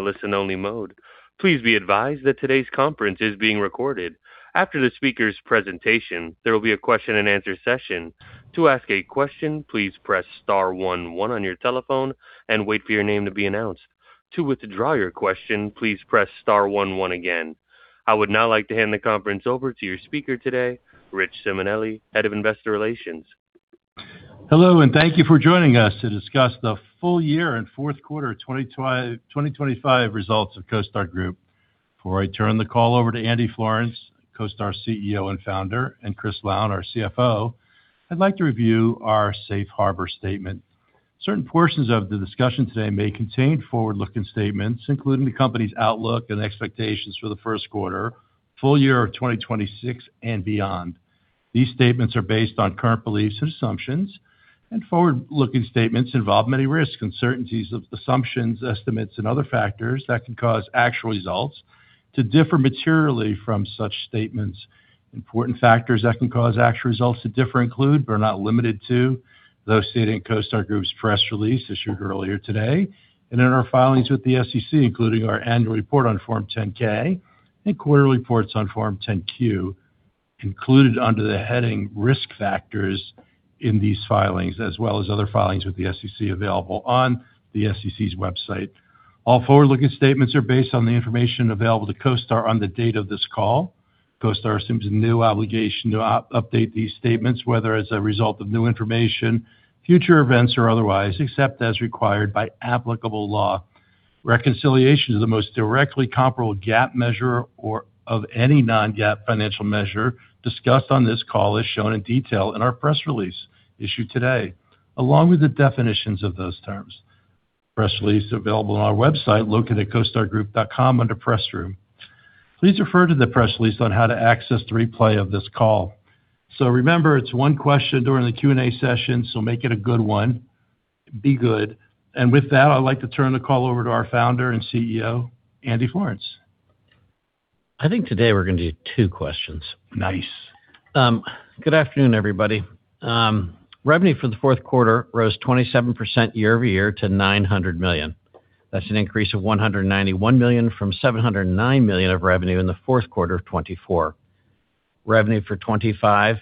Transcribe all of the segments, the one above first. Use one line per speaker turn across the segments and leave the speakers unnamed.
in a listen-only mode. Please be advised that today's conference is being recorded. After the speaker's presentation, there will be a question-and-answer session. To ask a question, please press star one one on your telephone and wait for your name to be announced. To withdraw your question, please press star one one again. I would now like to hand the conference over to your speaker today, Rich Simonelli, Head of Investor Relations.
Hello, thank you for joining us to discuss the full year and fourth quarter 2025 results of CoStar Group. Before I turn the call over to Andy Florance, CoStar CEO and founder, and Chris Lown, our CFO, I'd like to review our safe harbor statement. Certain portions of the discussion today may contain forward-looking statements, including the company's outlook and expectations for the first quarter, full year of 2026 and beyond. These statements are based on current beliefs and assumptions, and forward-looking statements involve many risks, uncertainties of assumptions, estimates, and other factors that can cause actual results to differ materially from such statements. Important factors that can cause actual results to differ include, but are not limited to, those stated in CoStar Group's press release issued earlier today, and in our filings with the SEC, including our annual report on Form 10-K and quarter reports on Form 10-Q, included under the heading Risk Factors in these filings, as well as other filings with the SEC available on the SEC's website. All forward-looking statements are based on the information available to CoStar on the date of this call. CoStar assumes no obligation to update these statements, whether as a result of new information, future events, or otherwise, except as required by applicable law. Reconciliation is the most directly comparable GAAP measure or of any Non-GAAP financial measure discussed on this call, as shown in detail in our press release issued today, along with the definitions of those terms. Press release available on our website, located at costargroup.com, under Press Room. Please refer to the press release on how to access the replay of this call. Remember, it's one question during the Q&A session, so make it a good one. Be good. With that, I'd like to turn the call over to our Founder and CEO, Andy Florance.
I think today we're going to do two questions.
Nice.
Good afternoon, everybody. Revenue for the fourth quarter rose 27% year-over-year to $900 million. That's an increase of $191 million from $709 million of revenue in the fourth quarter of 2024. Revenue for 2025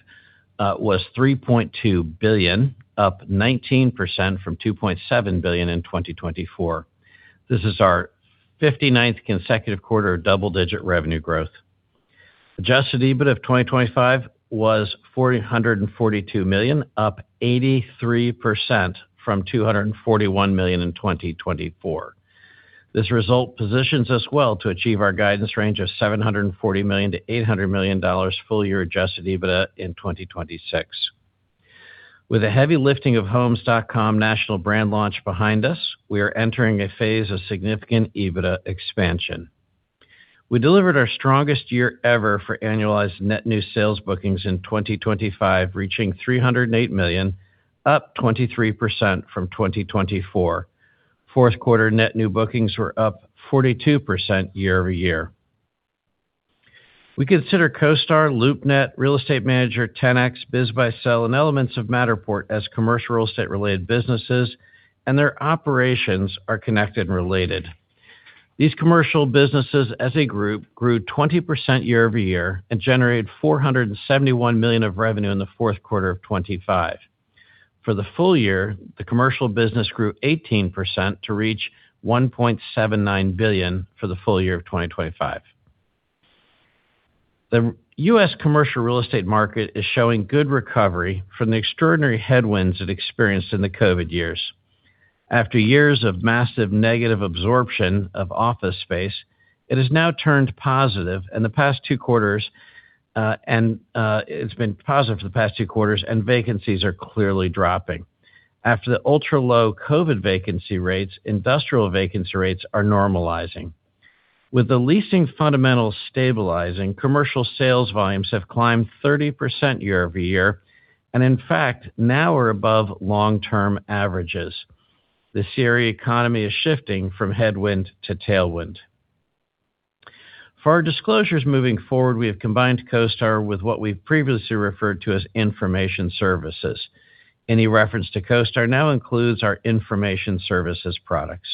was $3.2 billion, up 19% from $2.7 billion in 2024. This is our 59th consecutive quarter of double-digit revenue growth. Adjusted EBITDA of 2025 was $442 million, up 83% from $241 million in 2024. This result positions us well to achieve our guidance range of $740 million-$800 million full-year adjusted EBITDA in 2026. With the heavy lifting of Homes.com national brand launch behind us, we are entering a phase of significant EBITDA expansion. We delivered our strongest year ever for annualized net new sales bookings in 2025, reaching $308 million, up 23% from 2024. Fourth quarter net new bookings were up 42% year-over-year. We consider CoStar, LoopNet, Real Estate Manager, Ten-X, BizBuySell, and elements of Matterport as commercial real estate-related businesses, and their operations are connected and related. These commercial businesses, as a group, grew 20% year-over-year and generated $471 million of revenue in the fourth quarter of 2025. For the full year, the commercial business grew 18% to reach $1.79 billion for the full year of 2025. The U.S. commercial real estate market is showing good recovery from the extraordinary headwinds it experienced in the COVID years. After years of massive negative absorption of office space, it has now turned positive, it's been positive for the past two quarters, and vacancies are clearly dropping. After the ultra-low COVID vacancy rates, industrial vacancy rates are normalizing. With the leasing fundamentals stabilizing, commercial sales volumes have climbed 30% year-over-year, in fact, now are above long-term averages. The CRE economy is shifting from headwind to tailwind. For our disclosures moving forward, we have combined CoStar with what we've previously referred to as information services. Any reference to CoStar now includes our information services products.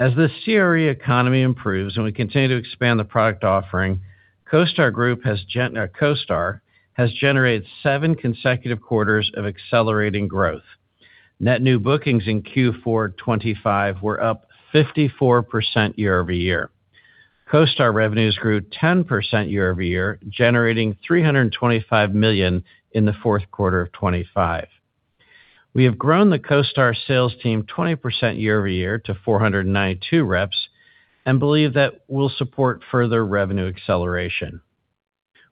As the CRE economy improves and we continue to expand the product offering, CoStar Group has generated seven consecutive quarters of accelerating growth. Net new bookings in Q4 2025 were up 54% year-over-year. CoStar revenues grew 10% year-over-year, generating $325 million in the fourth quarter of 2025. We have grown the CoStar sales team 20% year-over-year to 492 reps and believe that will support further revenue acceleration.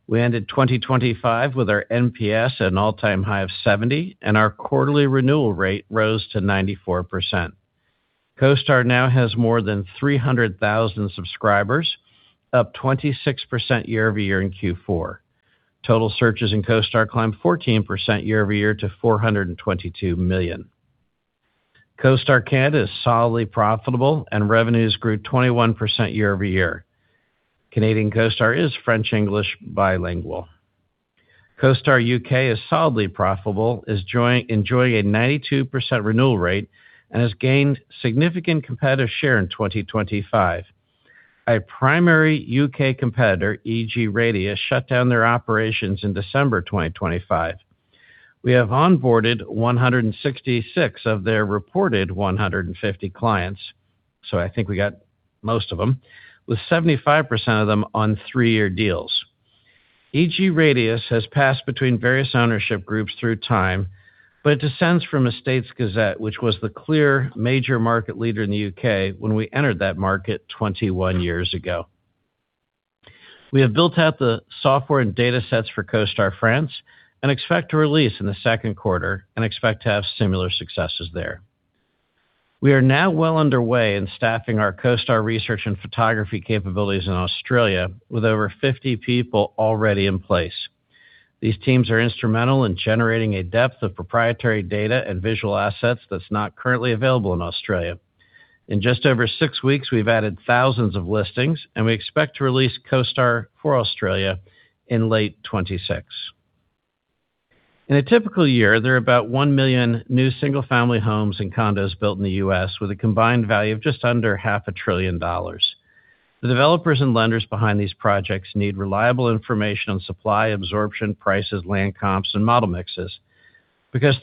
We ended 2025 with our NPS at an all-time high of 70, and our quarterly renewal rate rose to 94%. CoStar now has more than 300,000 subscribers, up 26% year-over-year in Q4. Total searches in CoStar climbed 14% year-over-year to 422 million. CoStar Canada is solidly profitable and revenues grew 21% year-over-year. Canadian CoStar is French, English, bilingual.... CoStar U.K. is solidly profitable, is enjoying a 92% renewal rate, and has gained significant competitive share in 2025. A primary U.K. competitor, EG Radius, shut down their operations in December 2025. We have onboarded 166 of their reported 150 clients, I think we got most of them, with 75% of them on three-year deals. EG Radius has passed between various ownership groups through time, it descends from Estates Gazette, which was the clear major market leader in the U.K. when we entered that market 21 years ago. We have built out the software and datasets for CoStar France, expect to release in the second quarter, and expect to have similar successes there. We are now well underway in staffing our CoStar research and photography capabilities in Australia, with over 50 people already in place. These teams are instrumental in generating a depth of proprietary data and visual assets that's not currently available in Australia. In just over six weeks, we've added thousands of listings. We expect to release CoStar for Australia in late 2026. In a typical year, there are about 1 million new single-family homes and condos built in the U.S., with a combined value of just under half a trillion dollars. The developers and lenders behind these projects need reliable information on supply, absorption, prices, land comps, and model mixes.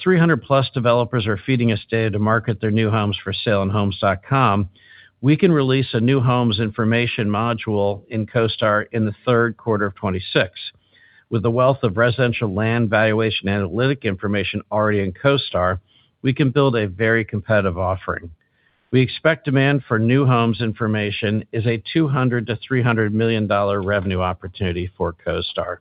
Three hundred plus developers are feeding us data to market their new homes for sale on Homes.com, we can release a new homes information module in CoStar in the third quarter of 2026. The wealth of residential land valuation analytic information already in CoStar, we can build a very competitive offering. We expect demand for new homes information is a $200 million-$300 million revenue opportunity for CoStar.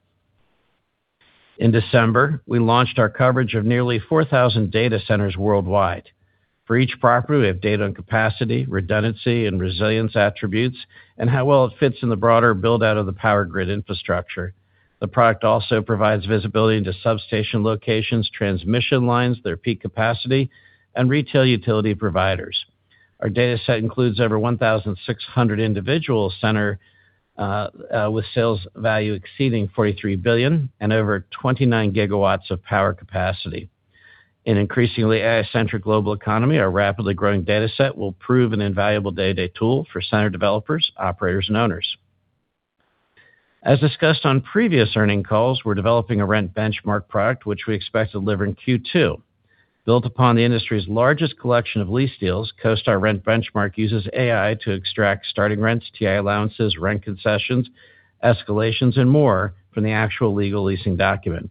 In December, we launched our coverage of nearly 4,000 data centers worldwide. For each property, we have data on capacity, redundancy, and resilience attributes, and how well it fits in the broader build-out of the power grid infrastructure. The product also provides visibility into substation locations, transmission lines, their peak capacity, and retail utility providers. Our dataset includes over 1,600 individual center with sales value exceeding $43 billion and over 29 gigawatts of power capacity. In an increasingly AI-centric global economy, our rapidly growing dataset will prove an invaluable day-to-day tool for center developers, operators, and owners. As discussed on previous earnings calls, we're developing a Rent Benchmark product, which we expect to deliver in Q2. Built upon the industry's largest collection of lease deals, CoStar Rent Benchmark uses AI to extract starting rents, TI allowances, rent concessions, escalations, and more from the actual legal leasing document.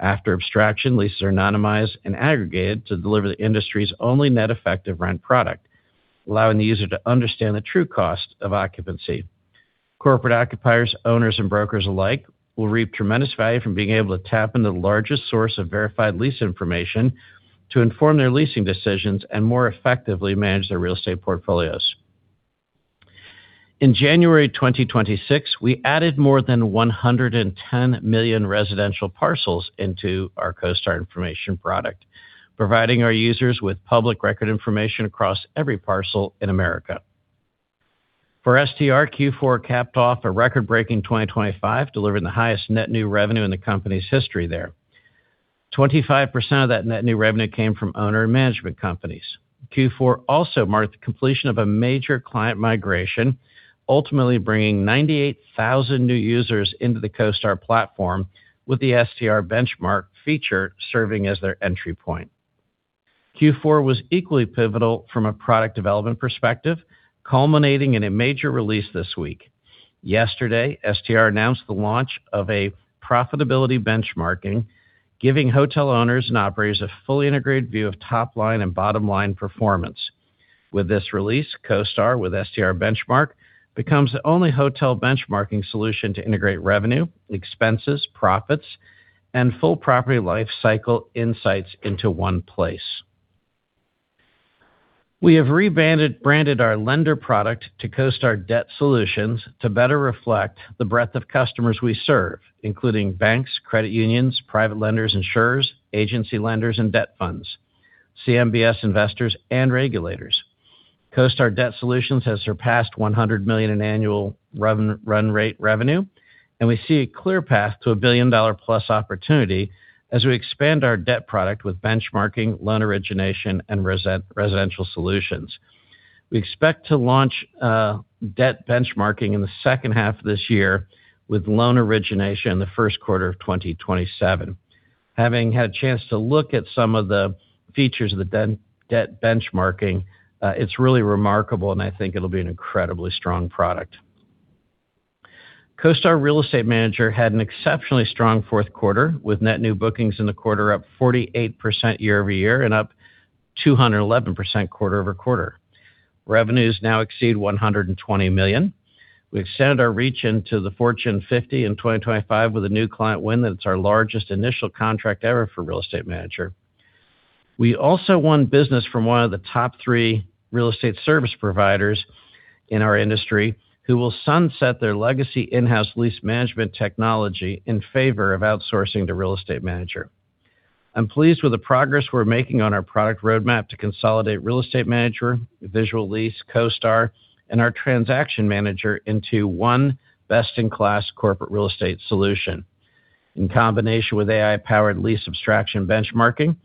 After abstraction, leases are anonymized and aggregated to deliver the industry's only net effective rent product, allowing the user to understand the true cost of occupancy. Corporate occupiers, owners, and brokers alike will reap tremendous value from being able to tap into the largest source of verified lease information to inform their leasing decisions and more effectively manage their real estate portfolios. In January 2026, we added more than 110 million residential parcels into our CoStar information product, providing our users with public record information across every parcel in America. For STR, Q4 capped off a record-breaking 2025, delivering the highest net new revenue in the company's history there. 25% of that net new revenue came from owner and management companies. Q4 also marked the completion of a major client migration, ultimately bringing 98,000 new users into the CoStar platform, with the STR Benchmark feature serving as their entry point. Q4 was equally pivotal from a product development perspective, culminating in a major release this week. Yesterday, STR announced the launch of a profitability benchmarking, giving hotel owners and operators a fully integrated view of top line and bottom line performance. With this release, CoStar with STR Benchmark becomes the only hotel benchmarking solution to integrate revenue, expenses, profits, and full property lifecycle insights into one place. We have rebranded our lender product to CoStar Debt Solutions to better reflect the breadth of customers we serve, including banks, credit unions, private lenders, insurers, agency lenders and debt funds, CMBS investors, and regulators. CoStar Debt Solutions has surpassed $100 million in annual run rate revenue. We see a clear path to a billion-dollar-plus opportunity as we expand our debt product with benchmarking, loan origination, and residential solutions. We expect to launch debt benchmarking in the second half of this year, with loan origination in the first quarter of 2027. Having had a chance to look at some of the features of the debt benchmarking, it's really remarkable, and I think it'll be an incredibly strong product. CoStar Real Estate Manager had an exceptionally strong fourth quarter, with net new bookings in the quarter up 48% year-over-year and up 211% quarter-over-quarter. Revenues now exceed $120 million. We've extended our reach into the Fortune 50 in 2025 with a new client win, that it's our largest initial contract ever for Real Estate Manager. We also won business from one of the top three real estate service providers in our industry, who will sunset their legacy in-house lease management technology in favor of outsourcing to Real Estate Manager. I'm pleased with the progress we're making on our product roadmap to consolidate Real Estate Manager, Visual Lease, CoStar, and our Transaction Manager into one best-in-class corporate real estate solution. In combination with AI-powered lease abstraction benchmarking,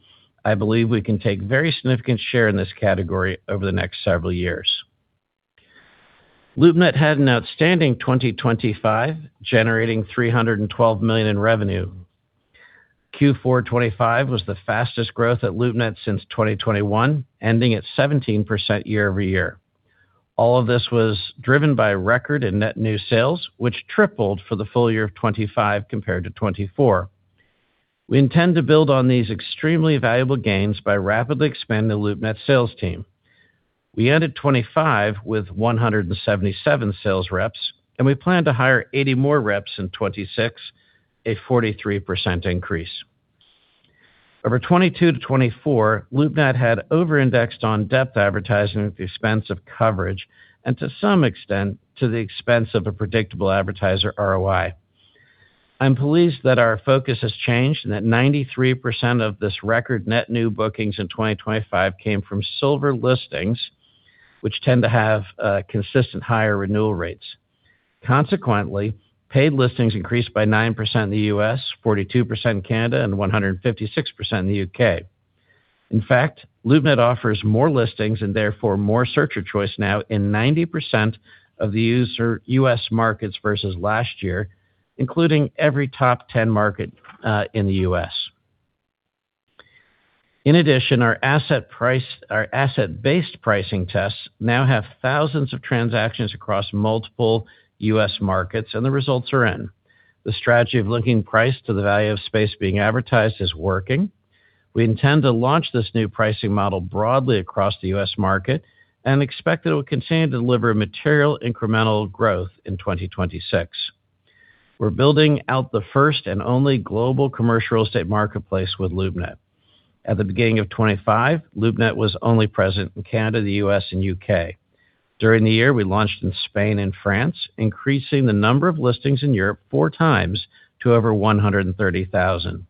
I believe we can take very significant share in this category over the next several years. LoopNet had an outstanding 2025, generating $312 million in revenue. Q4 2025 was the fastest growth at LoopNet since 2021, ending at 17% year-over-year. All of this was driven by record and net new sales, which tripled for the full year of 2025 compared to 2024. We intend to build on these extremely valuable gains by rapidly expanding the LoopNet sales team. We ended 2025 with 177 sales reps, and we plan to hire 80 more reps in 2026, a 43% increase. Over 2022-2024, LoopNet had over-indexed on depth advertising at the expense of coverage, and to some extent, to the expense of a predictable advertiser ROI. I'm pleased that our focus has changed and that 93% of this record net new bookings in 2025 came from silver listings, which tend to have consistent higher renewal rates. Consequently, paid listings increased by 9% in the U.S., 42% in Canada, and 156% in the U.K. In fact, LoopNet offers more listings and therefore more searcher choice now in 90% of the U.S. markets versus last year, including every top 10 market in the U.S. In addition, our asset-based pricing tests now have thousands of transactions across multiple U.S. markets, and the results are in. The strategy of linking price to the value of space being advertised is working. We intend to launch this new pricing model broadly across the U.S. market and expect that it will continue to deliver material incremental growth in 2026. We're building out the first and only global commercial real estate marketplace with LoopNet. At the beginning of 2025, LoopNet was only present in Canada, the U.S., and U.K. During the year, we launched in Spain and France, increasing the number of listings in Europe 4 times to over 130,000.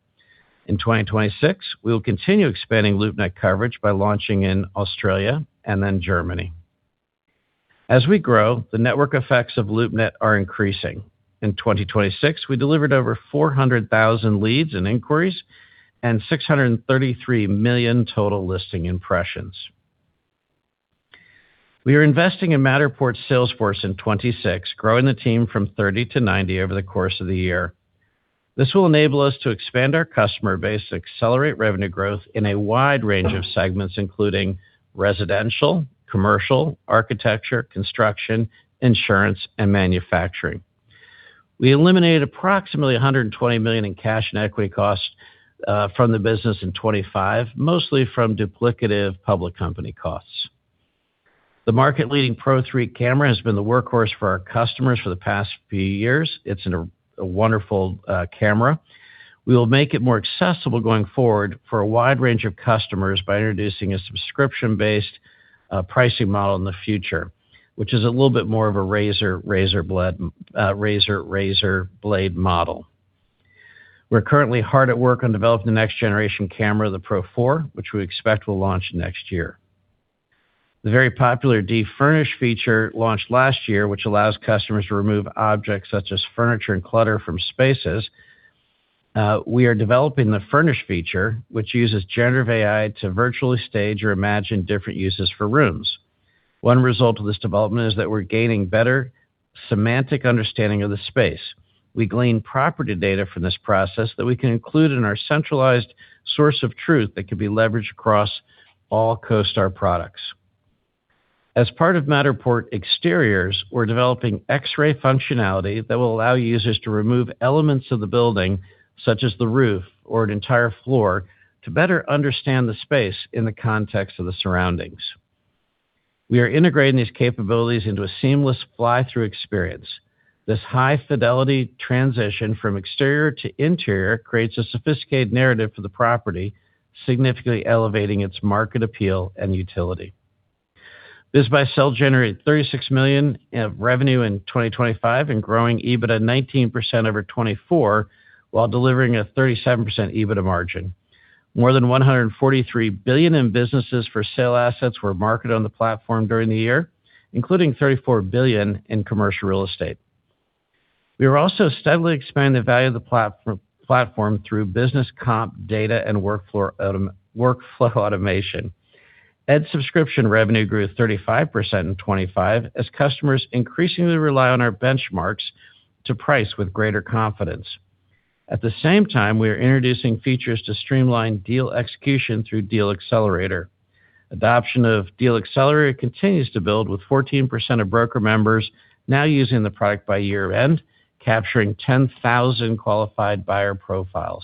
In 2026, we will continue expanding LoopNet coverage by launching in Australia and then Germany. As we grow, the network effects of LoopNet are increasing. In 2026, we delivered over 400,000 leads and inquiries and 633 million total listing impressions. We are investing in Matterport's sales force in 2026, growing the team from 30-90 over the course of the year. This will enable us to expand our customer base to accelerate revenue growth in a wide range of segments, including residential, commercial, architecture, construction, insurance, and manufacturing. We eliminated approximately $120 million in cash and equity costs from the business in 2025, mostly from duplicative public company costs. The market-leading Pro3 camera has been the workhorse for our customers for the past few years. It's a wonderful camera. We will make it more accessible going forward for a wide range of customers by introducing a subscription-based pricing model in the future, which is a little bit more of a razor blade model. We're currently hard at work on developing the next generation camera, the Pro4, which we expect will launch next year. The very popular Defurnish feature launched last year, which allows customers to remove objects such as furniture and clutter from spaces. We are developing the Furnish feature, which uses generative AI to virtually stage or imagine different uses for rooms. One result of this development is that we're gaining better semantic understanding of the space. We glean property data from this process that we can include in our centralized source of truth that can be leveraged across all CoStar products. As part of Matterport Exteriors, we're developing X-ray functionality that will allow users to remove elements of the building, such as the roof or an entire floor, to better understand the space in the context of the surroundings. We are integrating these capabilities into a seamless fly-through experience. This high-fidelity transition from exterior to interior creates a sophisticated narrative for the property, significantly elevating its market appeal and utility. BizBuySell generated $36 million in revenue in 2025 and growing EBITDA 19% over 2024, while delivering a 37% EBITDA margin. More than $143 billion in businesses for sale assets were marketed on the platform during the year, including $34 billion in commercial real estate. We are also steadily expanding the value of the platform through business comp data and workflow automation. Subscription revenue grew 35% in 2025 as customers increasingly rely on our benchmarks to price with greater confidence. At the same time, we are introducing features to streamline deal execution through Deal Accelerator. Adoption of Deal Accelerator continues to build, with 14% of broker members now using the product by year-end, capturing 10,000 qualified buyer profiles.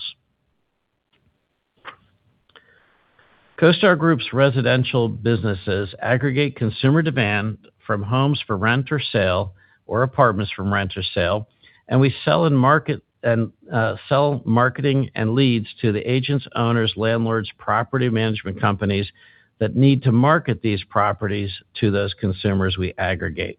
CoStar Group's residential businesses aggregate consumer demand from Homes.com for rent or sale, or Apartments.com from rent or sale, and we sell and market and sell marketing and leads to the agents, owners, landlords, property management companies that need to market these properties to those consumers we aggregate.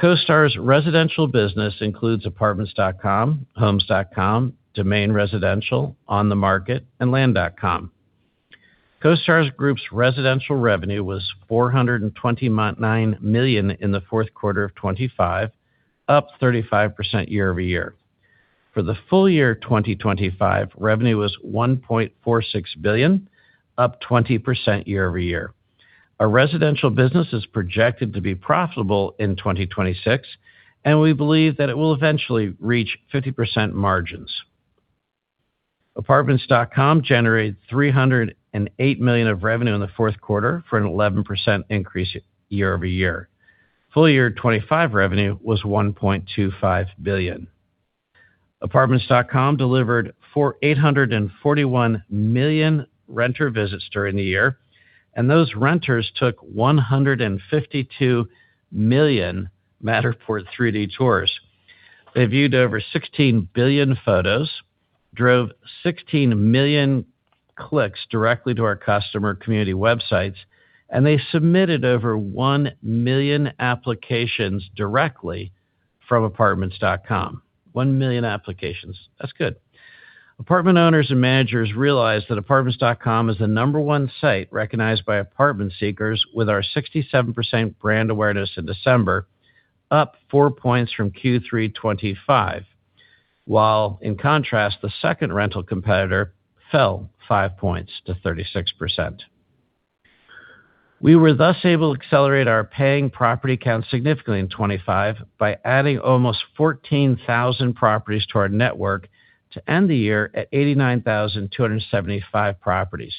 CoStar's residential business includes Apartments.com, Homes.com, Domain Residential, OnTheMarket, and Land.com. CoStar Group's residential revenue was $429 million in the fourth quarter of 2025, up 35% year-over-year. The full year 2025, revenue was $1.46 billion, up 20% year-over-year. Our residential business is projected to be profitable in 2026, we believe that it will eventually reach 50% margins. Apartments.com generated $308 million of revenue in the fourth quarter, for an 11% increase year-over-year. Full year 2025 revenue was $1.25 billion. Apartments.com delivered for 841 million renter visits during the year, those renters took 152 million Matterport 3D tours. They viewed over 16 billion photos, drove 16 million clicks directly to our customer community websites, they submitted over 1 million applications directly from Apartments.com. 1 million applications. That's good. Apartment owners and managers realize that Apartments.com is the number one site recognized by apartment seekers, with our 67% brand awareness in December, up four points from Q3 2025. In contrast, the 2nd rental competitor fell five points to 36%. We were thus able to accelerate our paying property count significantly in 2025 by adding almost 14,000 properties to our network to end the year at 89,275 properties.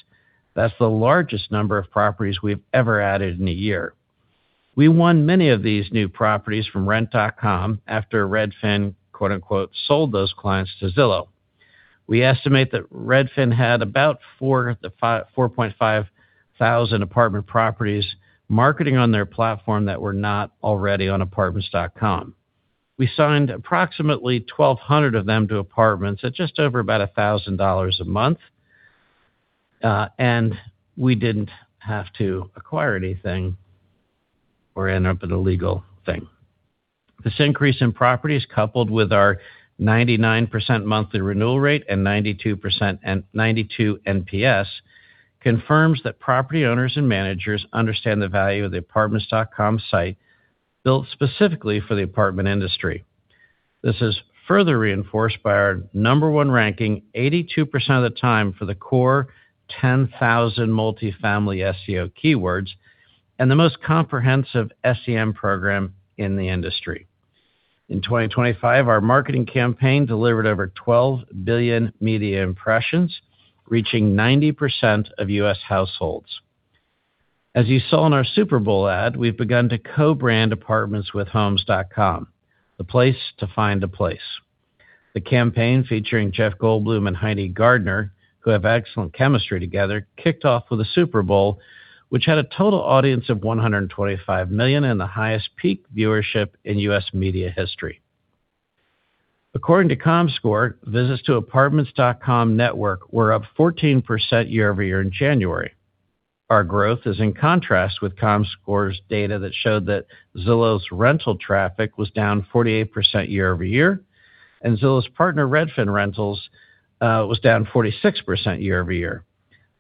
That's the largest number of properties we've ever added in a year. We won many of these new properties from Rent.com after Redfin, quote, unquote, "Sold those clients to Zillow." We estimate that Redfin had about 4.5 thousand apartment properties marketing on their platform that were not already on Apartments.com. We signed approximately 1,200 of them to Apartments.com at just over about $1,000 a month, we didn't have to acquire anything or end up in a legal thing. This increase in properties, coupled with our 99% monthly renewal rate and 92% and 92 NPS, confirms that property owners and managers understand the value of the Apartments.com site, built specifically for the apartment industry. This is further reinforced by our number one ranking, 82% of the time for the core 10,000 multifamily SEO keywords and the most comprehensive SEM program in the industry. In 2025, our marketing campaign delivered over 12 billion media impressions, reaching 90% of U.S. households. As you saw in our Super Bowl ad, we've begun to co-brand Apartments.com with Homes.com, the place to find a place. The campaign, featuring Jeff Goldblum and Heidi Gardner, who have excellent chemistry together, kicked off with the Super Bowl, which had a total audience of 125 million, and the highest peak viewership in U.S. media history. According to Comscore, visits to Apartments.com network were up 14% year-over-year in January. Our growth is in contrast with Comscore's data that showed that Zillow's rental traffic was down 48% year-over-year, and Zillow's partner, Redfin Rentals, was down 46% year-over-year.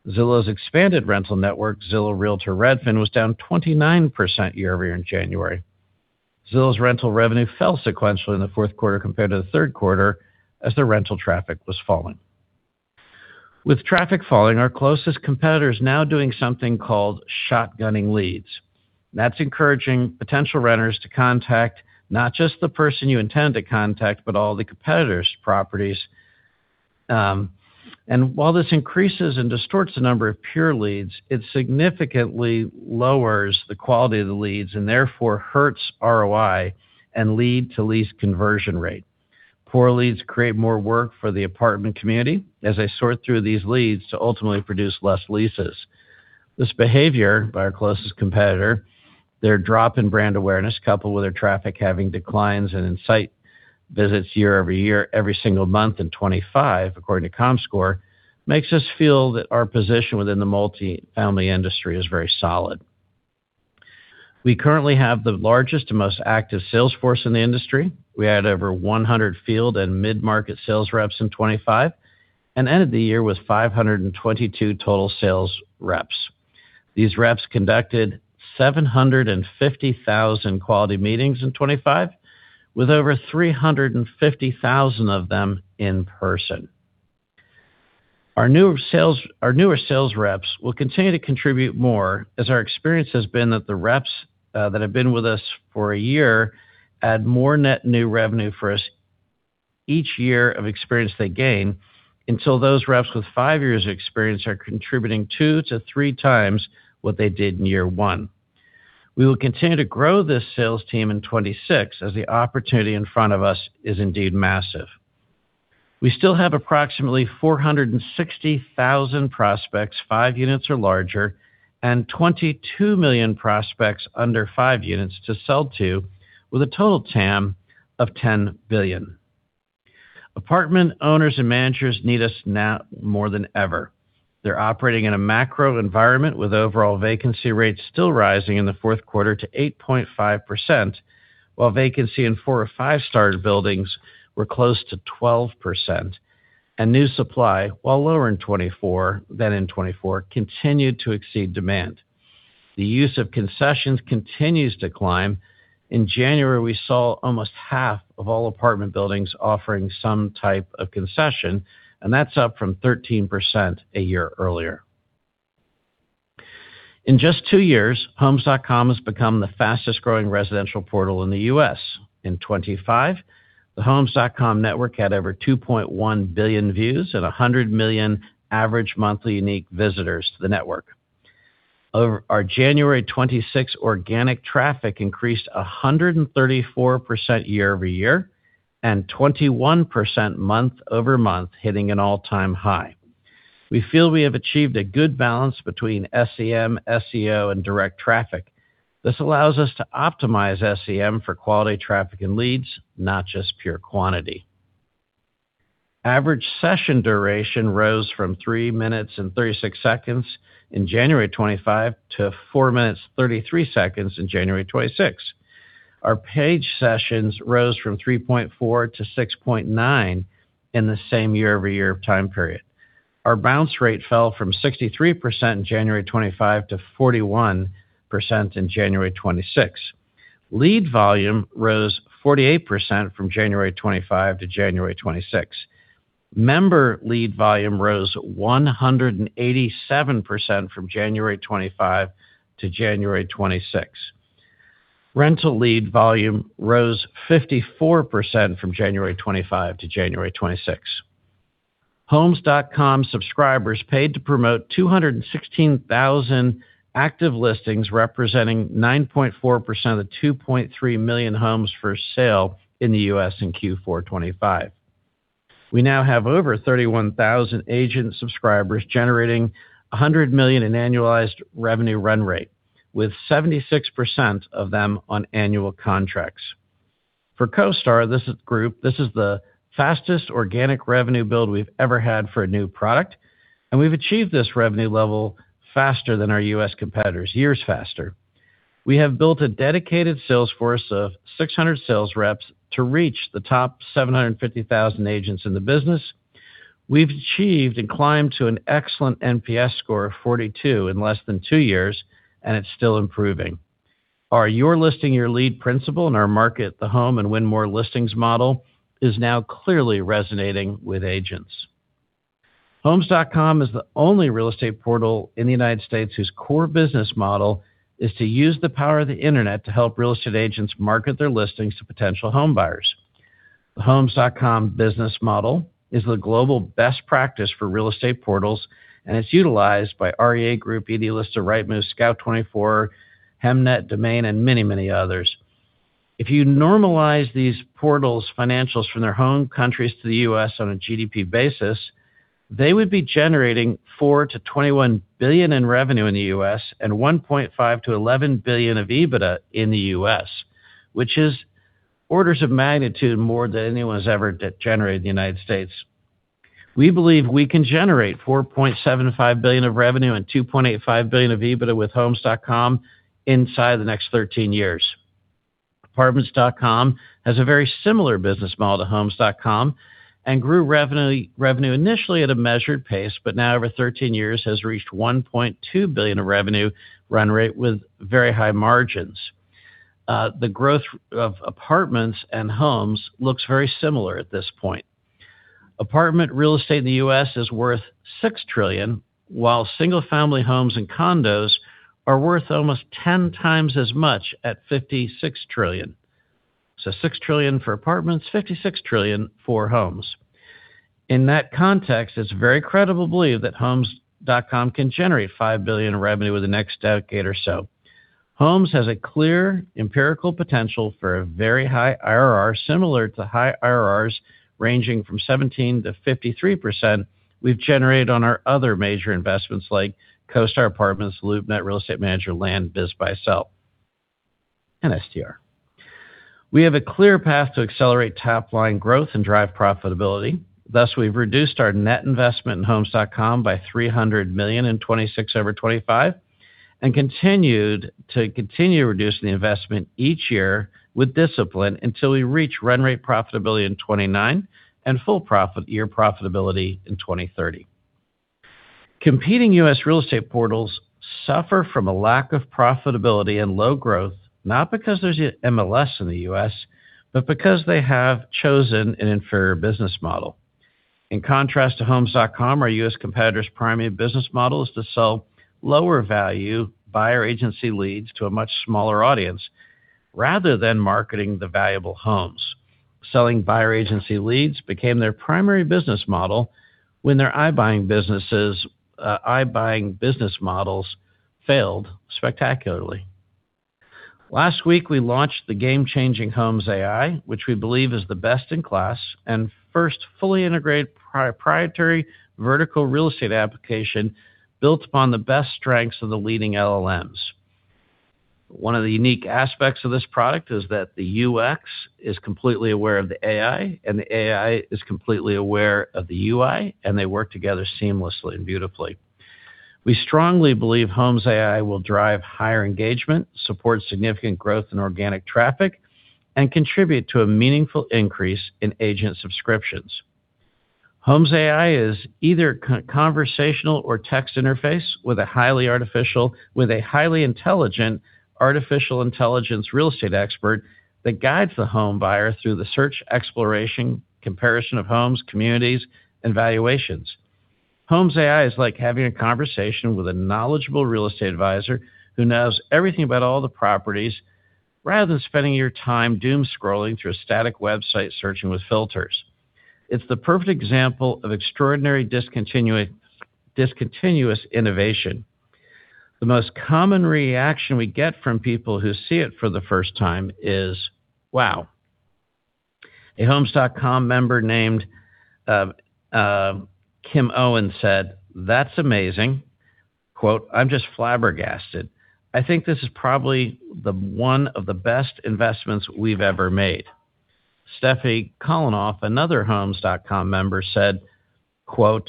Zillow's expanded rental network, Zillow, Realtor, Redfin, was down 29% year-over-year in January. Zillow's rental revenue fell sequentially in the fourth quarter compared to the third quarter as the rental traffic was falling. With traffic falling, our closest competitor is now doing something called shotgunning leads. That's encouraging potential renters to contact not just the person you intend to contact, but all the competitors' properties. While this increases and distorts the number of pure leads, it significantly lowers the quality of the leads and therefore hurts ROI and lead to lease conversion rate. Poor leads create more work for the apartment community as they sort through these leads to ultimately produce less leases. This behavior by our closest competitor, their drop in brand awareness, coupled with their traffic having declines and in site visits year-over-year, every single month in 2025, according to Comscore, makes us feel that our position within the multifamily industry is very solid. We currently have the largest and most active sales force in the industry. We had over 100 field and mid-market sales reps in 2025, and ended the year with 522 total sales reps. These reps conducted 750,000 quality meetings in 2025, with over 350,000 of them in person. Our newer sales reps will continue to contribute more, as our experience has been that the reps that have been with us for a year, add more net new revenue for us each year of experience they gain, until those reps with five years of experience are contributing two to three times what they did in year one. We will continue to grow this sales team in 2026, as the opportunity in front of us is indeed massive. We still have approximately 460,000 prospects, five units or larger, and 22 million prospects under five units to sell to, with a total TAM of $10 billion. Apartment owners and managers need us now more than ever. They're operating in a macro environment, with overall vacancy rates still rising in the fourth quarter to 8.5%, while vacancy in four or five-star buildings were close to 12%. New supply, while lower in 2024, than in 2024, continued to exceed demand. The use of concessions continues to climb. In January, we saw almost half of all apartment buildings offering some type of concession. That's up from 13% a year earlier. In just two years, Homes.com has become the fastest-growing residential portal in the U.S. In 2025, the Homes.com network had over 2.1 billion views and 100 million average monthly unique visitors to the network. Over our January 2026, organic traffic increased 134% year-over-year, and 21% month-over-month, hitting an all-time high. We feel we have achieved a good balance between SEM, SEO, and direct traffic. This allows us to optimize SEM for quality traffic and leads, not just pure quantity. Average session duration rose from three minutes, 36 seconds in January 2025 to four minutes, 33 seconds in January 2026. Our page sessions rose from 3.4-6.9 in the same year-over-year time period. Our bounce rate fell from 63% in January 2025 to 41% in January 2026. Lead volume rose 48% from January 2025 to January 2026. Member lead volume rose 187% from January 2025 to January 2026. Rental lead volume rose 54% from January 2025 to January 2026. Homes.com subscribers paid to promote 216,000 active listings, representing 9.4% of the 2.3 million homes for sale in the U.S. in Q4 2025. We now have over 31,000 agent subscribers, generating $100 million in annualized revenue run rate, with 76% of them on annual contracts. For CoStar, this is the fastest organic revenue build we've ever had for a new product, we've achieved this revenue level faster than our U.S. competitors, years faster. We have built a dedicated sales force of 600 sales reps to reach the top 750,000 agents in the business. We've achieved and climbed to an excellent NPS score of 42 in less than two years, and it's still improving. Our Your Listing, Your Lead principle in our market, the home and win more listings model, is now clearly resonating with agents. Homes.com is the only real estate portal in the United States whose core business model is to use the power of the internet to help real estate agents market their listings to potential home buyers. The Homes.com business model is the global best practice for real estate portals, and it's utilized by REA Group, Idealista of Rightmove, Scout24, Hemnet, Domain, and many, many others. If you normalize these portals financials from their home countries to the U.S. on a GDP basis, they would be generating $4 billion-$21 billion in revenue in the U.S. and $1.5 billion-$11 billion of EBITDA in the U.S., which is orders of magnitude more than anyone has ever generated in the United States. We believe we can generate $4.75 billion of revenue and $2.85 billion of EBITDA with Homes.com inside the next 13 years. Apartments.com has a very similar business model to Homes.com and grew revenue initially at a measured pace, but now over 13 years, has reached $1.2 billion of revenue run rate with very high margins. The growth of apartments and homes looks very similar at this point. Apartment real estate in the U.S. is worth $6 trillion, while single-family homes and condos are worth almost 10 times as much at $56 trillion. $6 trillion for apartments, $56 trillion for homes. In that context, it's very credible believe that Homes.com can generate $5 billion in revenue over the next decade or so. Homes has a clear empirical potential for a very high IRR, similar to high IRRs, ranging from 17%-53% we've generated on our other major investments like CoStar Apartments, LoopNet, Real Estate Manager, Land, BizBuySell, and STR. We have a clear path to accelerate top-line growth and drive profitability. We've reduced our net investment in Homes.com by $300 million in 2026 over 2025, and continued reducing the investment each year with discipline until we reach run rate profitability in 2029 and full profit, year profitability in 2030. Competing U.S. real estate portals suffer from a lack of profitability and low growth, not because there's MLS in the U.S., but because they have chosen an inferior business model. In contrast to Homes.com, our U.S. competitors' primary business model is to sell lower value buyer agency leads to a much smaller audience, rather than marketing the valuable homes. Selling buyer agency leads became their primary business model when their iBuying business models failed spectacularly. Last week, we launched the game-changing Homes AI, which we believe is the best-in-class and first fully integrated proprietary vertical real estate application built upon the best strengths of the leading LLMs. One of the unique aspects of this product is that the UX is completely aware of the AI, and the AI is completely aware of the UI, and they work together seamlessly and beautifully. We strongly believe Homes AI will drive higher engagement, support significant growth in organic traffic, and contribute to a meaningful increase in agent subscriptions. Homes AI is either conversational or text interface with a highly intelligent artificial intelligence real estate expert that guides the home buyer through the search, exploration, comparison of homes, communities, and valuations. Homes AI is like having a conversation with a knowledgeable real estate advisor who knows everything about all the properties, rather than spending your time doom scrolling through a static website searching with filters. It's the perfect example of extraordinary discontinuous innovation. The most common reaction we get from people who see it for the first time is, "Wow!" A Homes.com member named Kim Owen said, "That's amazing." Quote, "I'm just flabbergasted. I think this is probably the one of the best investments we've ever made." Steffi Kolenoff, another Homes.com member, said, quote,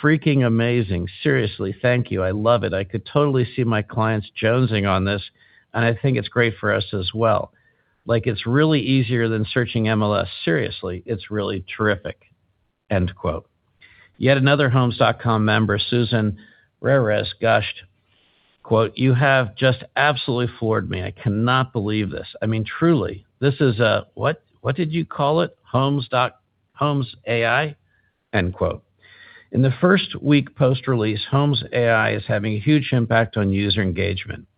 "Freaking amazing. Seriously, thank you. I love it. I could totally see my clients jonesing on this, and I think it's great for us as well. Like, it's really easier than searching MLS. Seriously, it's really terrific." End quote. Yet another Homes.com member, Susan Reres, gushed, quote, "You have just absolutely floored me. I cannot believe this. I mean, truly, this is a-- what did you call it? Homes. Homes AI?" End quote. In the first week post-release, Homes AI is having a huge impact on user engagement.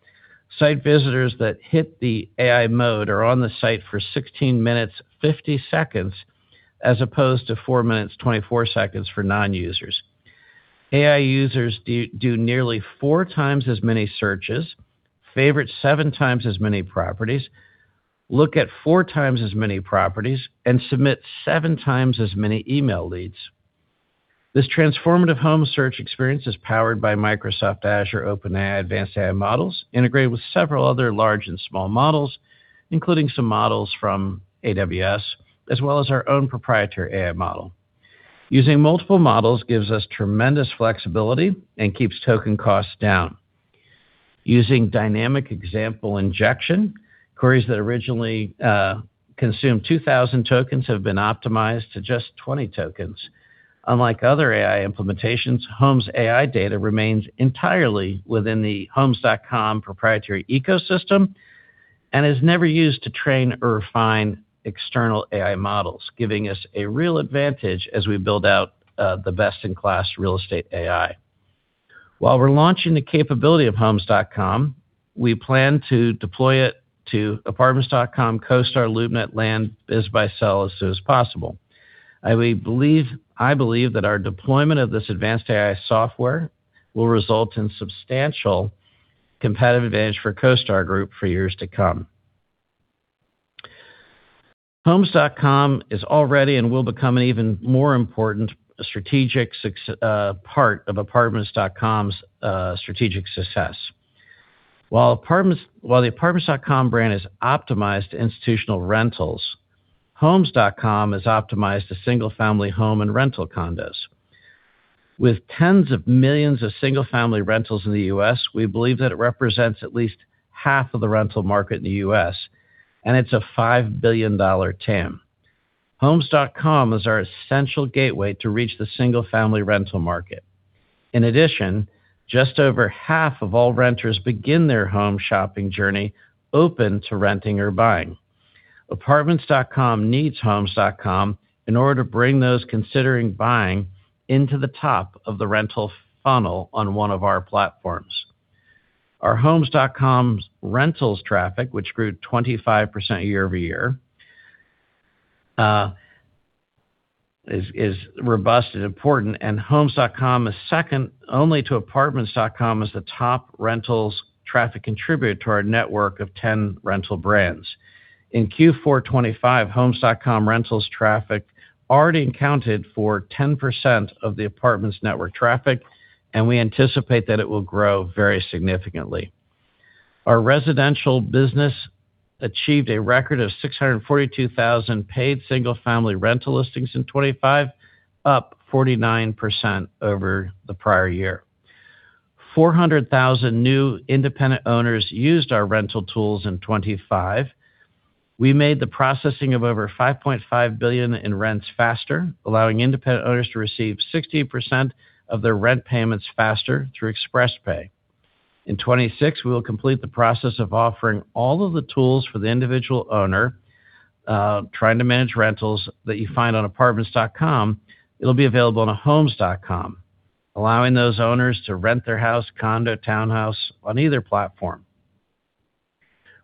Site visitors that hit the AI mode are on the site for 16 minutes, 50 seconds, as opposed to four minutes, 24 seconds for non-users. AI users do nearly four times as many searches, favorite seven times as many properties, look at four times as many properties, and submit seven times as many email leads. This transformative home search experience is powered by Microsoft Azure OpenAI advanced AI models, integrated with several other large and small models, including some models from AWS, as well as our own proprietary AI model. Using multiple models gives us tremendous flexibility and keeps token costs down. Using dynamic example injection, queries that originally consumed 2,000 tokens have been optimized to just 20 tokens. Unlike other AI implementations, Homes AI data remains entirely within the Homes.com proprietary ecosystem and is never used to train or refine external AI models, giving us a real advantage as we build out the best-in-class real estate AI. While we're launching the capability of Homes.com, we plan to deploy it to Apartments.com, CoStar, LoopNet, Land, BizBuySell as soon as possible. I believe that our deployment of this advanced AI software will result in substantial competitive advantage for CoStar Group for years to come. Homes.com is already and will become an even more important strategic part of Apartments.com's strategic success. While the Apartments.com brand is optimized to institutional rentals, Homes.com is optimized to single-family home and rental condos. With tens of millions of single-family rentals in the U.S., we believe that it represents at least half of the rental market in the U.S., and it's a $5 billion TAM. Homes.com is our essential gateway to reach the single-family rental market. In addition, just over half of all renters begin their home shopping journey open to renting or buying. Apartments.com needs Homes.com in order to bring those considering buying into the top of the rental funnel on one of our platforms. Our Homes.com's rentals traffic, which grew 25% year-over-year, is robust and important, and Homes.com is second only to Apartments.com as the top rentals traffic contributor to our network of 10 rental brands. In Q4 2025, Homes.com rentals traffic already accounted for 10% of the Apartments network traffic. We anticipate that it will grow very significantly. Our residential business achieved a record of 642,000 paid single-family rental listings in 2025, up 49% over the prior year. 400,000 new independent owners used our rental tools in 2025. We made the processing of over $5.5 billion in rents faster, allowing independent owners to receive 60% of their rent payments faster through Express Pay. In 2026, we will complete the process of offering all of the tools for the individual owner, trying to manage rentals that you find on Apartments.com. It'll be available on Homes.com, allowing those owners to rent their house, condo, townhouse on either platform.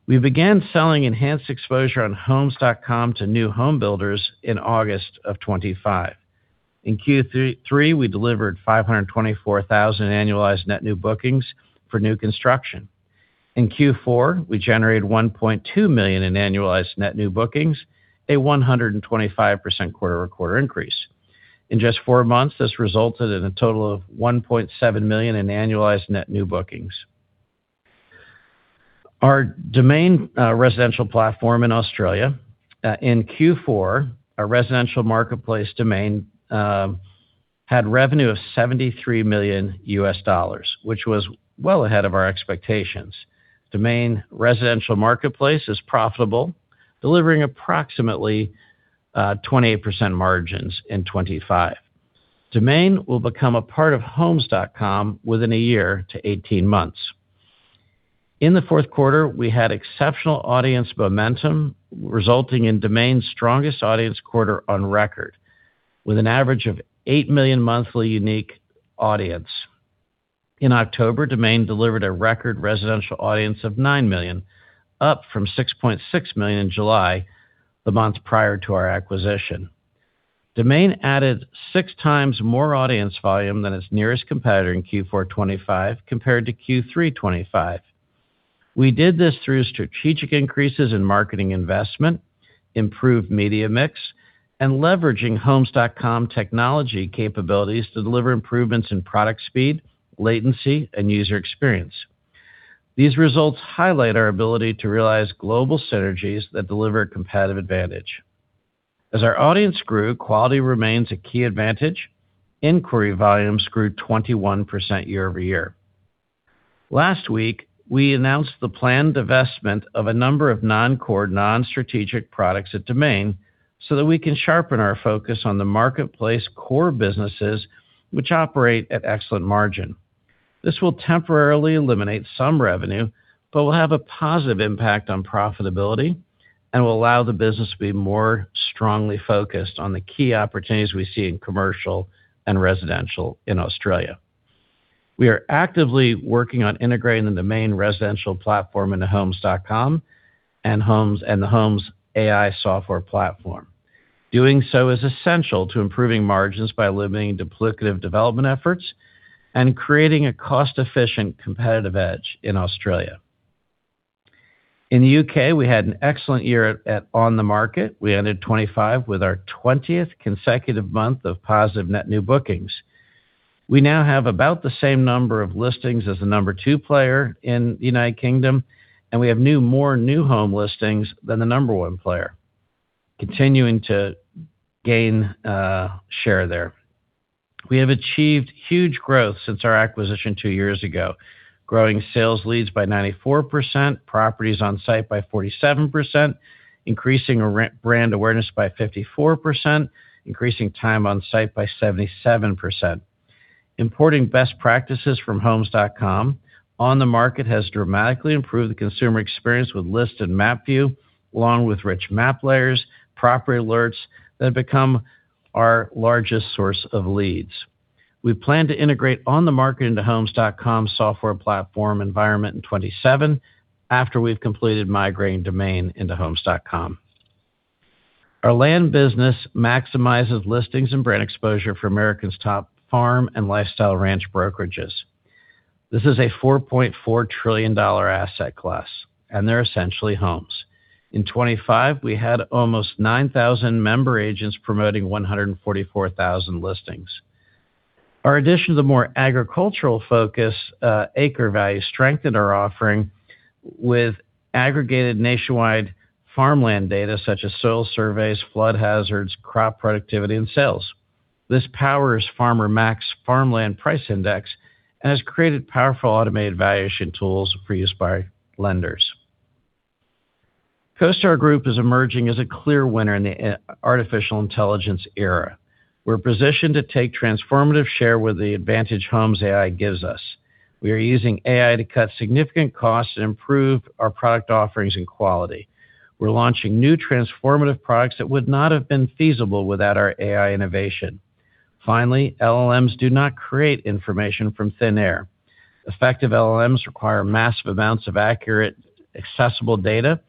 We began selling enhanced exposure on Homes.com to new home builders in August of 2025. In Q3, we delivered 524,000 annualized net new bookings for new construction. In Q4, we generated $1.2 million in annualized net new bookings, a 125% quarter-over-quarter increase. In just four months, this resulted in a total of $1.7 million in annualized net new bookings. Our Domain residential platform in Australia, in Q4, our residential marketplace Domain had revenue of $73 million, which was well ahead of our expectations. Domain residential marketplace is profitable, delivering approximately 28% margins in 2025. Domain will become a part of Homes.com within one year to 18 months. In the fourth quarter, we had exceptional audience momentum, resulting in Domain's strongest audience quarter on record, with an average of 8 million monthly unique audience. In October, Domain delivered a record residential audience of 9 million, up from 6.6 million in July, the month prior to our acquisition. Domain added six times more audience volume than its nearest competitor in Q4 2025 compared to Q3 2025. We did this through strategic increases in marketing investment, improved media mix, and leveraging Homes.com technology capabilities to deliver improvements in product speed, latency, and user experience. These results highlight our ability to realize global synergies that deliver a competitive advantage. As our audience grew, quality remains a key advantage. Inquiry volumes grew 21% year-over-year. Last week, we announced the planned divestment of a number of non-core, non-strategic products at Domain, so that we can sharpen our focus on the marketplace core businesses, which operate at excellent margin. This will temporarily eliminate some revenue, but will have a positive impact on profitability, and will allow the business to be more strongly focused on the key opportunities we see in commercial and residential in Australia. We are actively working on integrating the Domain residential platform into Homes.com and the Homes AI software platform. Doing so is essential to improving margins by eliminating duplicative development efforts and creating a cost-efficient competitive edge in Australia. In the U.K., we had an excellent year at OnTheMarket. We ended 25 with our 20th consecutive month of positive net new bookings. We now have about the same number of listings as the number two player in the United Kingdom, and we have new, more new home listings than the number one player, continuing to gain share there. We have achieved huge growth since our acquisition two years ago, growing sales leads by 94%, properties on site by 47%, increasing our brand awareness by 54%, increasing time on site by 77%. Importing best practices from Homes.com, OnTheMarket has dramatically improved the consumer experience with list and map view, along with rich map layers, property alerts that have become our largest source of leads. We plan to integrate OnTheMarket into Homes.com software platform environment in 2027, after we've completed migrating Domain into Homes.com. Our land business maximizes listings and brand exposure for America's top farm and lifestyle ranch brokerages. This is a $4.4 trillion asset class, and they're essentially homes. In 2025, we had almost 9,000 member agents promoting 144,000 listings. Our addition to the more agricultural focus, AcreValue strengthened our offering with aggregated nationwide farmland data, such as soil surveys, flood hazards, crop productivity, and sales. This powers Farmer Mac's Farmland Price Index and has created powerful automated valuation tools for use by lenders. CoStar Group is emerging as a clear winner in the artificial intelligence era. We're positioned to take transformative share with the advantage Homes AI gives us. We are using AI to cut significant costs and improve our product offerings and quality. We're launching new transformative products that would not have been feasible without our AI innovation. LLMs do not create information from thin air. Effective LLMs require massive amounts of accurate, accessible data,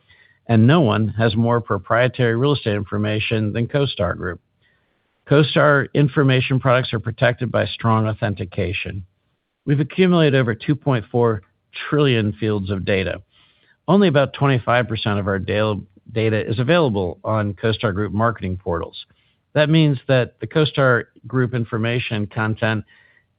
and no one has more proprietary real estate information than CoStar Group. CoStar information products are protected by strong authentication. We've accumulated over 2.4 trillion fields of data. Only about 25% of our data is available on CoStar Group marketing portals. That means that the CoStar Group information content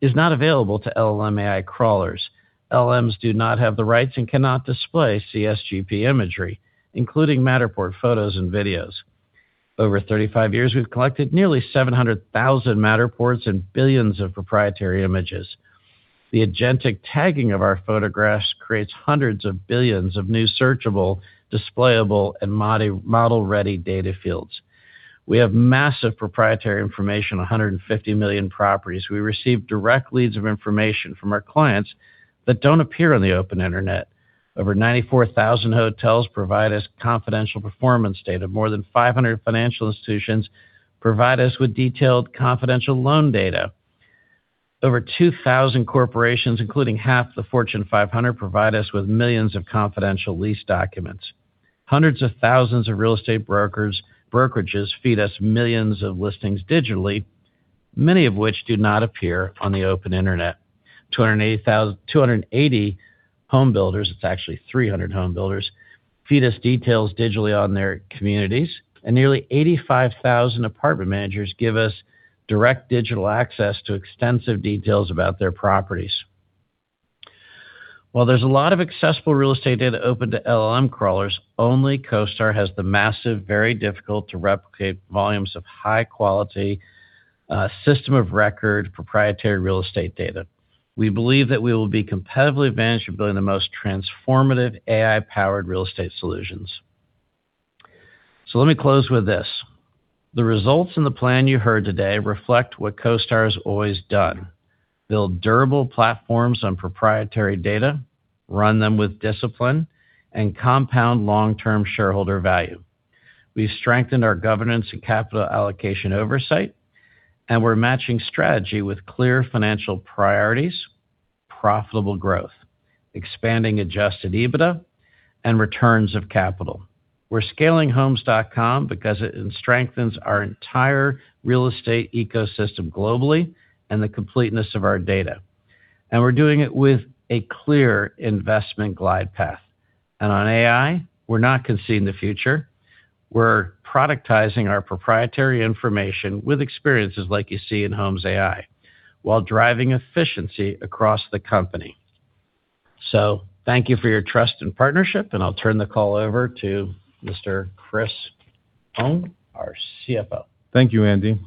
is not available to LLM AI crawlers. LLMs do not have the rights and cannot display CSGP imagery, including Matterport photos and videos. Over 35 years, we've collected nearly 700,000 Matterports and billions of proprietary images. The agentic tagging of our photographs creates hundreds of billions of new searchable, displayable, and model-ready data fields. We have massive proprietary information, 150 million properties. We receive direct leads of information from our clients that don't appear on the open internet. Over 94,000 hotels provide us confidential performance data. More than 500 financial institutions provide us with detailed confidential loan data. Over 2,000 corporations, including half the Fortune 500, provide us with millions of confidential lease documents. Hundreds of thousands of real estate brokers, brokerages, feed us millions of listings digitally, many of which do not appear on the open internet.... 208,280 home builders, it's actually 300 home builders, feed us details digitally on their communities, and nearly 85,000 apartment managers give us direct digital access to extensive details about their properties. While there's a lot of accessible real estate data open to LLM crawlers, only CoStar has the massive, very difficult to replicate volumes of high quality, system of record, proprietary real estate data. We believe that we will be competitively advantaged in building the most transformative AI-powered real estate solutions. Let me close with this: the results and the plan you heard today reflect what CoStar has always done. Build durable platforms on proprietary data, run them with discipline, and compound long-term shareholder value. We've strengthened our governance and capital allocation oversight, we're matching strategy with clear financial priorities, profitable growth, expanding adjusted EBITDA, and returns of capital. We're scaling Homes.com because it strengthens our entire real estate ecosystem globally and the completeness of our data, we're doing it with a clear investment glide path. On AI, we're not conceding the future. We're productizing our proprietary information with experiences like you see in Homes AI, while driving efficiency across the company. Thank you for your trust and partnership, I'll turn the call over to Mr. Chris Hong, our CFO.
Thank you, Andy.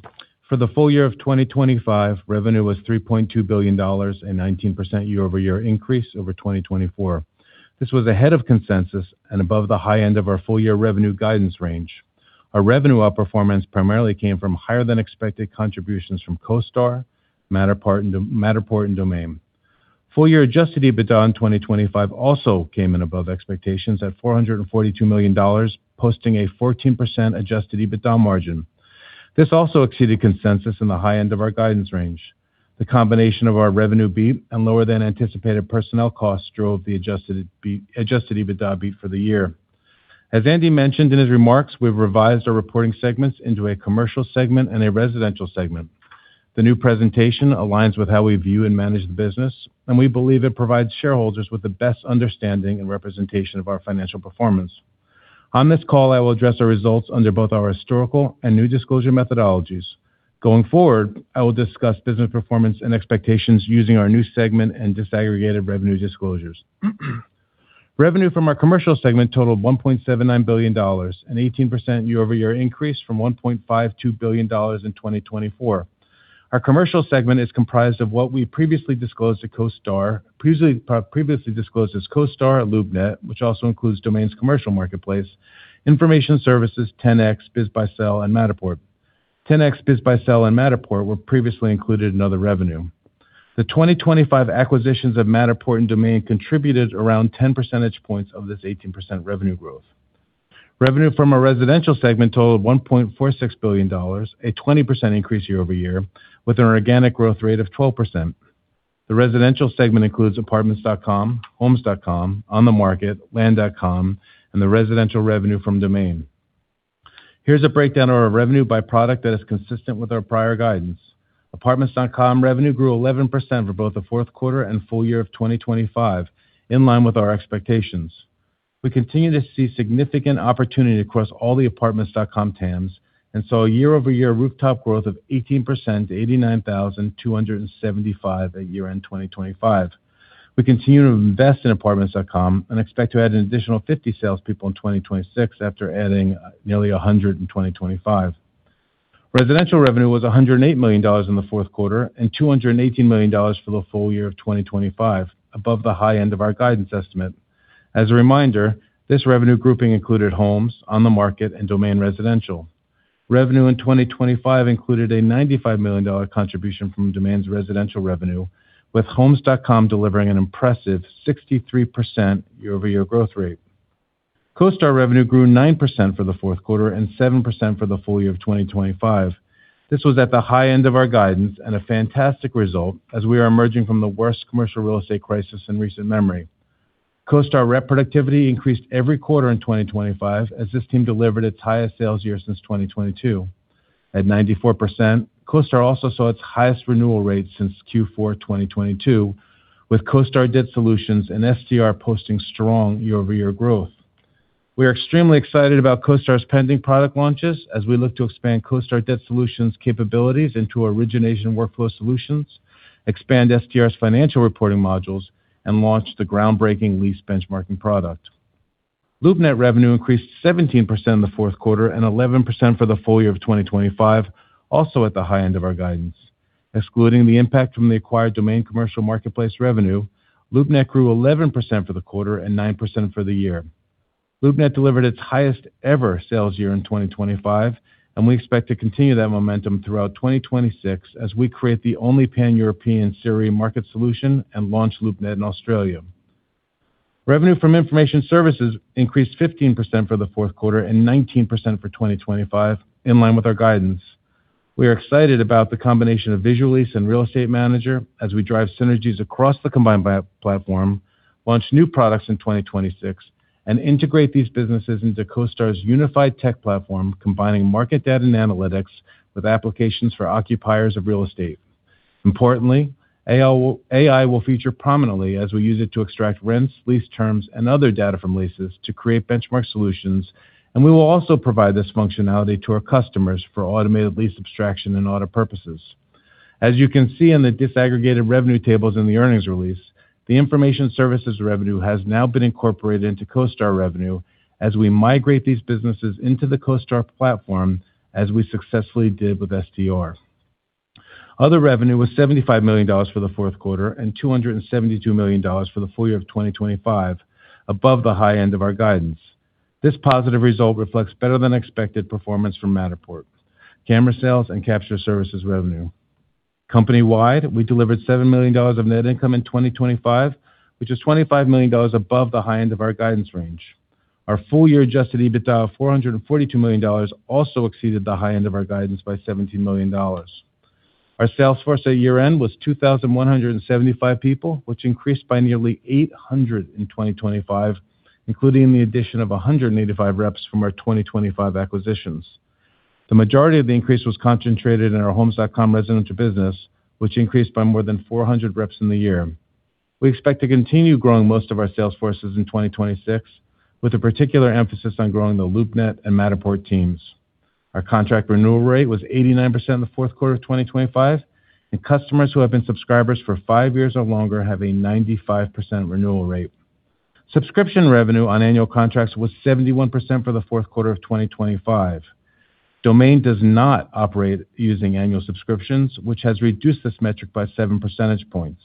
For the full year of 2025, revenue was $3.2 billion and a 19% year-over-year increase over 2024. This was ahead of consensus and above the high end of our full year revenue guidance range. Our revenue outperformance primarily came from higher than expected contributions from CoStar, Matterport, and Domain. Full year adjusted EBITDA in 2025 also came in above expectations at $442 million, posting a 14% adjusted EBITDA margin. This also exceeded consensus in the high end of our guidance range. The combination of our revenue beat and lower than anticipated personnel costs drove the adjusted EBITDA beat for the year. As Andy mentioned in his remarks, we've revised our reporting segments into a commercial segment and a residential segment. The new presentation aligns with how we view and manage the business, and we believe it provides shareholders with the best understanding and representation of our financial performance. On this call, I will address our results under both our historical and new disclosure methodologies. Going forward, I will discuss business performance and expectations using our new segment and disaggregated revenue disclosures. Revenue from our commercial segment totaled $1.79 billion, an 18% year-over-year increase from $1.52 billion in 2024. Our commercial segment is comprised of what we previously disclosed as CoStar and LoopNet, which also includes Domain's Commercial Marketplace, Information Services, Ten-X, BizBuySell, and Matterport. Ten-X, BizBuySell, and Matterport were previously included in other revenue. The 2025 acquisitions of Matterport and Domain contributed around 10 percentage points of this 18% revenue growth. Revenue from our residential segment totaled $1.46 billion, a 20% increase year-over-year, with an organic growth rate of 12%. The residential segment includes Apartments.com, Homes.com, OnTheMarket, Land.com, and the residential revenue from Domain. Here's a breakdown of our revenue by product that is consistent with our prior guidance. Apartments.com revenue grew 11% for both the fourth quarter and full year of 2025, in line with our expectations. We continue to see significant opportunity across all the Apartments.com TAMs, and saw a year-over-year rooftop growth of 18% to 89,275 at year-end 2025. We continue to invest in Apartments.com and expect to add an additional 50 salespeople in 2026, after adding nearly 100 in 2025. Residential revenue was $108 million in the fourth quarter and $218 million for the full year of 2025, above the high end of our guidance estimate. As a reminder, this revenue grouping included Homes, OnTheMarket, and Domain Residential. Revenue in 2025 included a $95 million contribution from Domain's residential revenue, with Homes.com delivering an impressive 63% year-over-year growth rate. CoStar revenue grew 9% for the fourth quarter and 7% for the full year of 2025. This was at the high end of our guidance and a fantastic result as we are emerging from the worst commercial real estate crisis in recent memory. CoStar rep productivity increased every quarter in 2025 as this team delivered its highest sales year since 2022. At 94%, CoStar also saw its highest renewal rate since Q4 2022, with CoStar Debt Solutions and STR posting strong year-over-year growth. We are extremely excited about CoStar's pending product launches as we look to expand CoStar Debt Solutions capabilities into origination workflow solutions, expand STR's financial reporting modules, and launch the groundbreaking lease benchmarking product. LoopNet revenue increased 17% in the 4th quarter and 11% for the full year of 2025, also at the high end of our guidance. Excluding the impact from the acquired Domain commercial marketplace revenue, LoopNet grew 11% for the quarter and 9% for the year. LoopNet delivered its highest ever sales year in 2025, and we expect to continue that momentum throughout 2026 as we create the only pan-European CRE market solution and launch LoopNet in Australia. Revenue from information services increased 15% for the fourth quarter and 19% for 2025, in line with our guidance. We are excited about the combination of Visual Lease and Real Estate Manager as we drive synergies across the combined platform, launch new products in 2026, and integrate these businesses into CoStar's unified tech platform, combining market data and analytics with applications for occupiers of real estate. Importantly, AI will feature prominently as we use it to extract rents, lease terms, and other data from leases to create benchmark solutions, and we will also provide this functionality to our customers for automated lease abstraction and audit purposes. As you can see in the disaggregated revenue tables in the earnings release, the information services revenue has now been incorporated into CoStar revenue as we migrate these businesses into the CoStar platform, as we successfully did with STR. Other revenue was $75 million for the fourth quarter and $272 million for the full year of 2025, above the high end of our guidance. This positive result reflects better than expected performance from Matterport, camera sales and capture services revenue. Company-wide, we delivered $7 million of net income in 2025, which is $25 million above the high end of our guidance range. Our full year adjusted EBITDA of $442 million also exceeded the high end of our guidance by $17 million. Our sales force at year-end was 2,175 people, which increased by nearly 800 in 2025, including the addition of 185 reps from our 2025 acquisitions. The majority of the increase was concentrated in our Homes.com residential business, which increased by more than 400 reps in the year. We expect to continue growing most of our sales forces in 2026, with a particular emphasis on growing the LoopNet and Matterport teams. Our contract renewal rate was 89% in the fourth quarter of 2025, and customers who have been subscribers for five years or longer have a 95% renewal rate. Subscription revenue on annual contracts was 71% for the fourth quarter of 2025. Domain does not operate using annual subscriptions, which has reduced this metric by seven percentage points.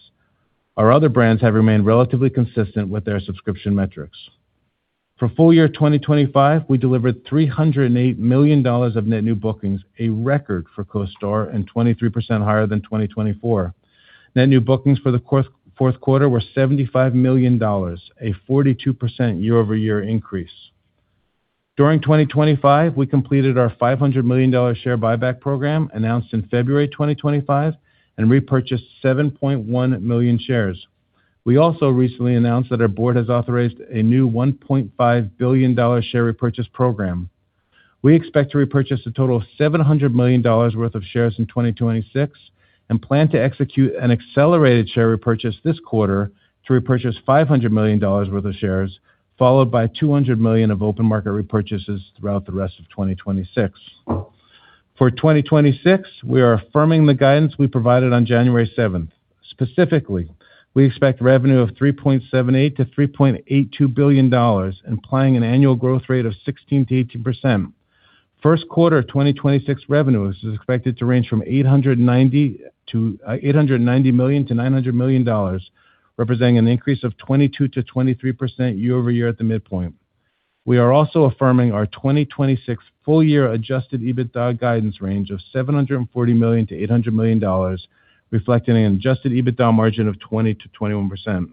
Our other brands have remained relatively consistent with their subscription metrics. For full year 2025, we delivered $308 million of net new bookings, a record for CoStar and 23% higher than 2024. Net new bookings for the fourth quarter were $75 million, a 42% year-over-year increase. During 2025, we completed our $500 million share buyback program, announced in February 2025 and repurchased 7.1 million shares. We also recently announced that our board has authorized a new $1.5 billion share repurchase program. We expect to repurchase a total of $700 million worth of shares in 2026. We plan to execute an accelerated share repurchase this quarter to repurchase $500 million worth of shares, followed by $200 million of open market repurchases throughout the rest of 2026. For 2026, we are affirming the guidance we provided on January 7th. Specifically, we expect revenue of $3.78 billion-$3.82 billion, implying an annual growth rate of 16%-18%. First quarter of 2026 revenues is expected to range from $890 million-$900 million, representing an increase of 22%-23% year-over-year at the midpoint. We are also affirming our 2026 full year adjusted EBITDA guidance range of $740 million-$800 million, reflecting an adjusted EBITDA margin of 20%-21%.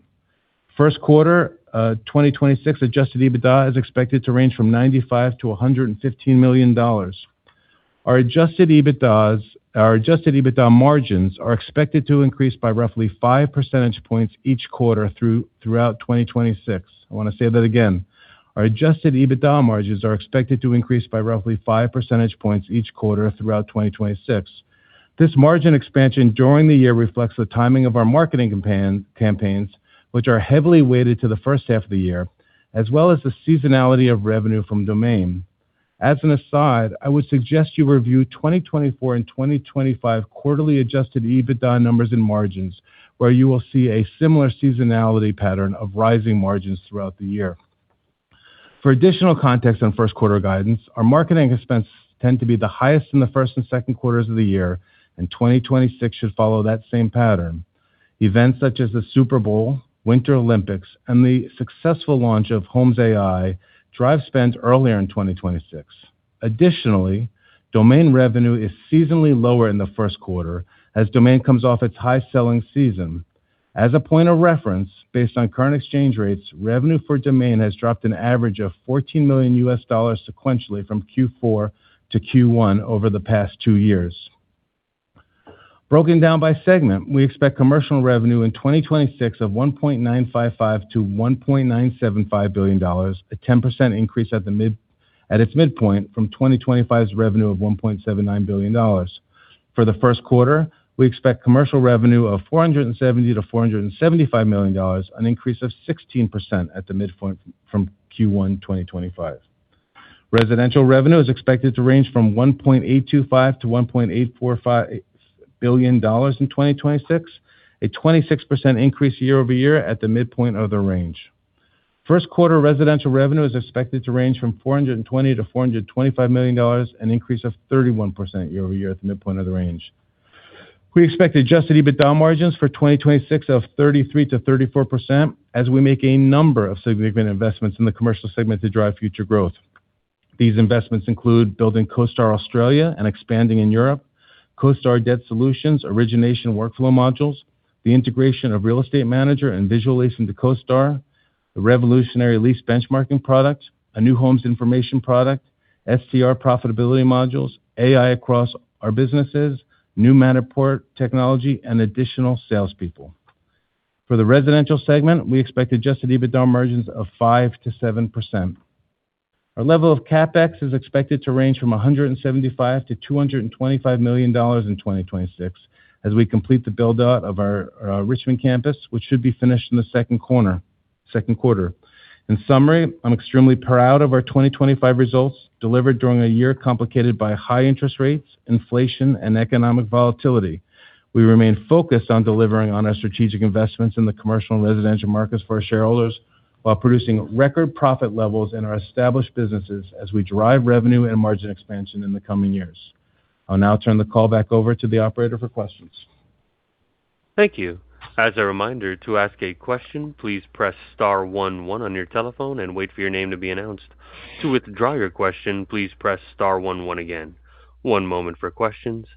First quarter 2026 adjusted EBITDA is expected to range from $95 million-$115 million. Our adjusted EBITDA margins are expected to increase by roughly five percentage points each quarter throughout 2026. I want to say that again. Our adjusted EBITDA margins are expected to increase by roughly five percentage points each quarter throughout 2026. This margin expansion during the year reflects the timing of our marketing campaigns, which are heavily weighted to the first half of the year, as well as the seasonality of revenue from Domain. As an aside, I would suggest you review 2024 and 2025 quarterly adjusted EBITDA numbers and margins, where you will see a similar seasonality pattern of rising margins throughout the year. For additional context on first quarter guidance, our marketing expenses tend to be the highest in the first and second quarters of the year, and 2026 should follow that same pattern. Events such as the Super Bowl, Winter Olympics, and the successful launch of Homes AI, drive spend earlier in 2026. Additionally, Domain revenue is seasonally lower in the first quarter as Domain comes off its high selling season. As a point of reference, based on current exchange rates, revenue for Domain has dropped an average of $14 million sequentially from Q4-Q1 over the past two years. Broken down by segment, we expect commercial revenue in 2026 of $1.955 billion-$1.975 billion, a 10% increase at its midpoint from 2025's revenue of $1.79 billion. For the first quarter, we expect commercial revenue of $470 million-$475 million, an increase of 16% at the midpoint from Q1 2025. Residential revenue is expected to range from $1.825 billion-$1.845 billion in 2026, a 26% increase year-over-year at the midpoint of the range. First quarter residential revenue is expected to range from $420 million-$425 million, an increase of 31% year-over-year at the midpoint of the range. We expect adjusted EBITDA margins for 2026 of 33%-34% as we make a number of significant investments in the commercial segment to drive future growth. These investments include building CoStar Australia and expanding in Europe, CoStar Debt Solutions, origination workflow modules, the integration of Real Estate Manager and Visual Lease to CoStar, a revolutionary lease benchmarking product, a new homes information product, STR profitability modules, AI across our businesses, new Matterport technology, and additional salespeople. For the residential segment, we expect adjusted EBITDA margins of 5%-7%. Our level of CapEx is expected to range from $175 million-$225 million in 2026 as we complete the build-out of our Richmond campus, which should be finished in the second quarter. In summary, I'm extremely proud of our 2025 results, delivered during a year complicated by high interest rates, inflation, and economic volatility. We remain focused on delivering on our strategic investments in the commercial and residential markets for our shareholders, while producing record profit levels in our established businesses as we drive revenue and margin expansion in the coming years. I'll now turn the call back over to the operator for questions.
Thank you. As a reminder, to ask a question, please press star one one on your telephone and wait for your name to be announced. To withdraw your question, please press star one one again. One moment for questions.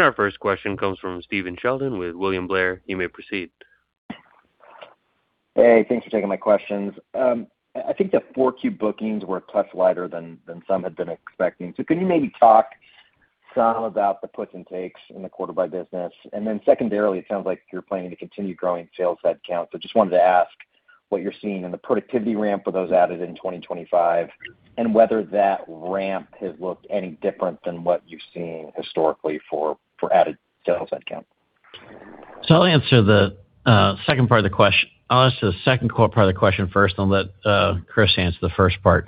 Our first question comes from Stephen Sheldon with William Blair. You may proceed.
Hey, thanks for taking my questions. I think the 4Q bookings were a touch lighter than some had been expecting. Could you maybe talk some about the puts and takes in the quarter by business? Secondarily, it sounds like you're planning to continue growing sales headcount. Just wanted to ask what you're seeing in the productivity ramp for those added in 2025, and whether that ramp has looked any different than what you've seen historically for added sales headcount.
I'll answer the second part of the question. I'll answer the second core part of the question first, and I'll let Chris answer the first part.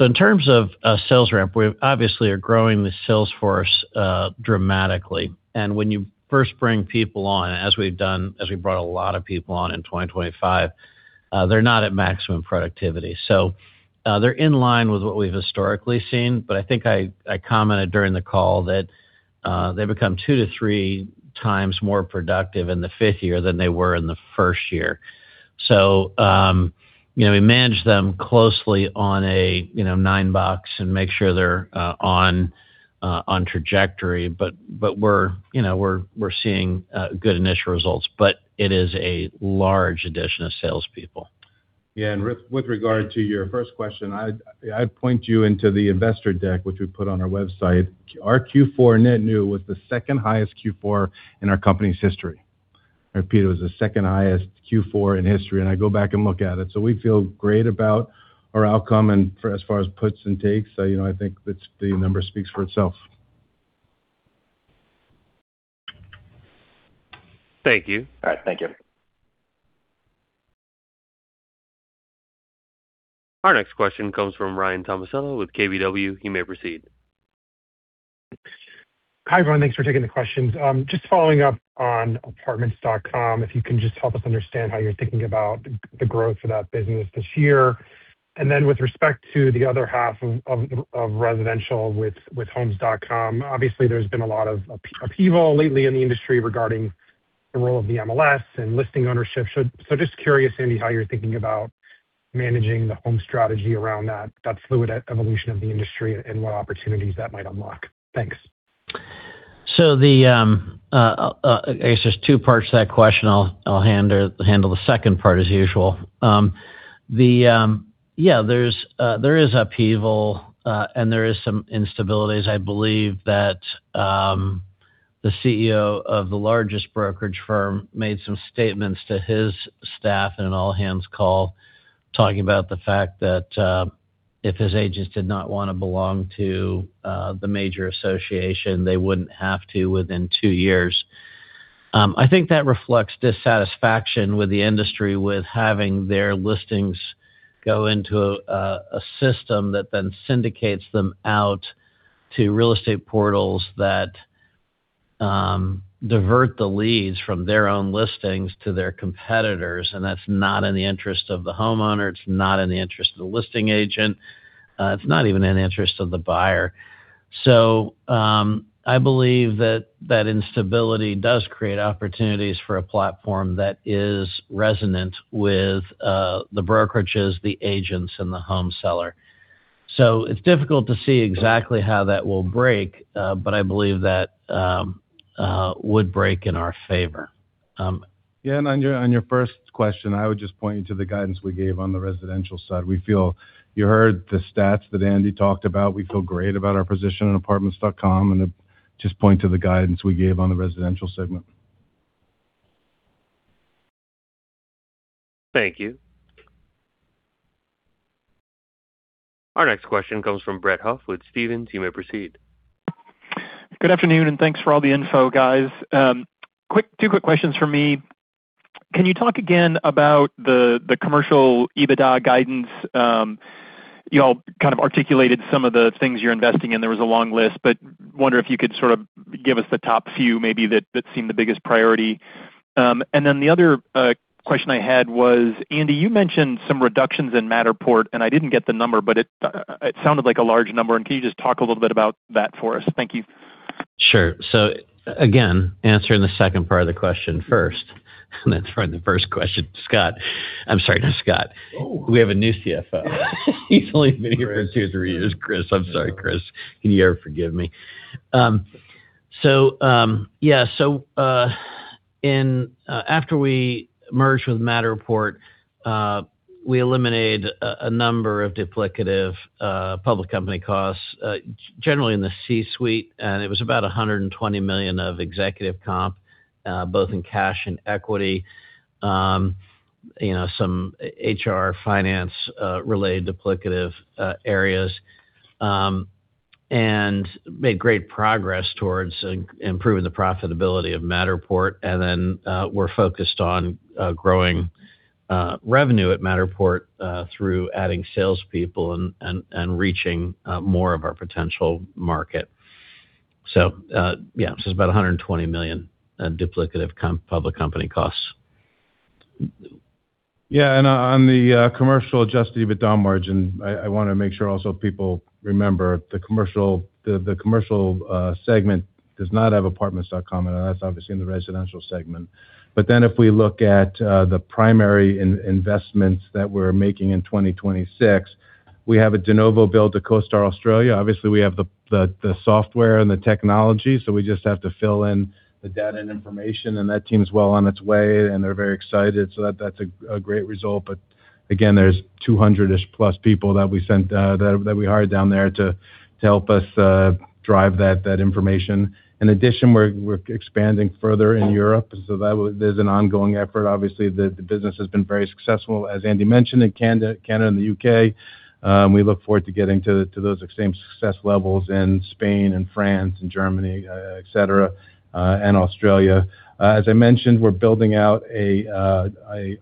In terms of sales ramp, we obviously are growing the sales force dramatically. When you first bring people on, as we've done, as we brought a lot of people on in 2025, they're not at maximum productivity. They're in line with what we've historically seen, but I think I commented during the call that they become two to three times more productive in the fifth year than they were in the first year. You know, we manage them closely on a, you know, nine-box and make sure they're on trajectory. We're, you know, we're seeing good initial results, but it is a large addition of salespeople.
Yeah, with regard to your first question, I'd point you into the investor deck, which we put on our website. Our Q4 net new was the second highest Q4 in our company's history. I repeat, it was the second highest Q4 in history, and I go back and look at it. We feel great about our outcome and for as far as puts and takes. You know, I think it's the number speaks for itself.
Thank you.
All right. Thank you.
Our next question comes from Ryan Tomasello with KBW. He may proceed.
Hi, everyone, thanks for taking the questions. just following up on Apartments.com, if you can just help us understand how you're thinking about the growth of that business this year. Then with respect to the other half of residential with Homes.com, obviously, there's been a lot of upheaval lately in the industry regarding the role of the MLS and listing ownership. just curious, Andy, how you're thinking about managing the home strategy around that fluid evolution of the industry and what opportunities that might unlock. Thanks.
The, I guess there's two parts to that question. I'll handle the second part, as usual. Yeah, there is upheaval and there is some instabilities. I believe that the CEO of the largest brokerage firm made some statements to his staff in an all-hands call, talking about the fact that if his agents did not want to belong to the major association, they wouldn't have to within two years. I think that reflects dissatisfaction with the industry, with having their listings go into a system that then syndicates them out to real estate portals that divert the leads from their own listings to their competitors, and that's not in the interest of the homeowner, it's not in the interest of the listing agent, it's not even in the interest of the buyer. I believe that that instability does create opportunities for a platform that is resonant with the brokerages, the agents, and the home seller. It's difficult to see exactly how that will break, but I believe that would break in our favor.
Yeah, on your first question, I would just point you to the guidance we gave on the residential side. You heard the stats that Andy talked about. We feel great about our position in Apartments.com, and just point to the guidance we gave on the residential segment.
Thank you. Our next question comes from Brett Huff with Stephens. You may proceed.
Good afternoon. Thanks for all the info, guys. Two quick questions from me. Can you talk again about the commercial EBITDA guidance? Y'all kind of articulated some of the things you're investing in. There was a long list, but I wonder if you could sort of give us the top few, maybe that seem the biggest priority. The other question I had was, Andy, you mentioned some reductions in Matterport, and I didn't get the number, but it sounded like a large number. Can you just talk a little bit about that for us? Thank you.
Sure. Again, answering the second part of the question first, and then try the first question. Scott. I'm sorry, not Scott.
Oh.
We have a new CFO. He's only been here for two to three years. Chris. I'm sorry, Chris. Can you ever forgive me? Yeah, after we merged with Matterport, we eliminated a number of duplicative public company costs, generally in the C-suite, and it was about $120 million of executive comp, both in cash and equity. You know, some HR, finance related duplicative areas. Made great progress towards improving the profitability of Matterport. We're focused on growing revenue at Matterport through adding salespeople and reaching more of our potential market. Yeah, it's about $120 million duplicative public company costs.
Yeah, on the commercial adjusted EBITDA margin, I wanna make sure also people remember the commercial segment does not have Apartments.com, and that's obviously in the residential segment. If we look at the primary investments that we're making in 2026, we have a de novo build to CoStar Australia. Obviously, we have the software and the technology, so we just have to fill in the data and information, and that team is well on its way, and they're very excited. That's a great result. Again, there's 200-ish plus people that we sent that we hired down there to help us drive that information. In addition, we're expanding further in Europe, so that there's an ongoing effort obviously, the business has been very successful, as Andy mentioned, in Canada and the U.K. We look forward to getting to those same success levels in Spain and France and Germany, et cetera, and Australia. As I mentioned, we're building out a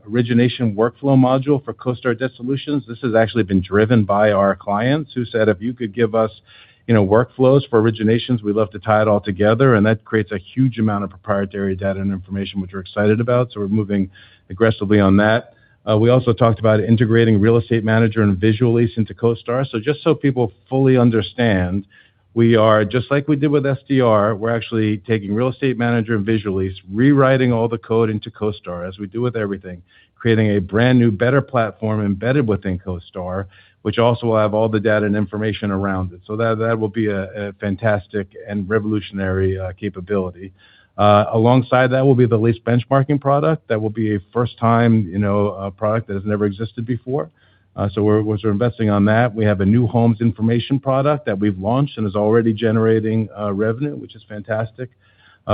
origination workflow module for CoStar Debt Solutions. This has actually been driven by our clients who said: "If you could give us, you know, workflows for originations, we'd love to tie it all together." That creates a huge amount of proprietary data and information, which we're excited about, so we're moving aggressively on that. We also talked about integrating Real Estate Manager and Visual Lease into CoStar. Just so people fully understand, we are just like we did with STR, we're actually taking Real Estate Manager and Visual Lease, rewriting all the code into CoStar, as we do with everything, creating a brand-new, better platform embedded within CoStar, which also will have all the data and information around it. That, that will be a fantastic and revolutionary capability. Alongside that will be the Lease Benchmarking Product. That will be a first-time, you know, product that has never existed before. We're investing on that. We have a new homes information product that we've launched and is already generating revenue, which is fantastic.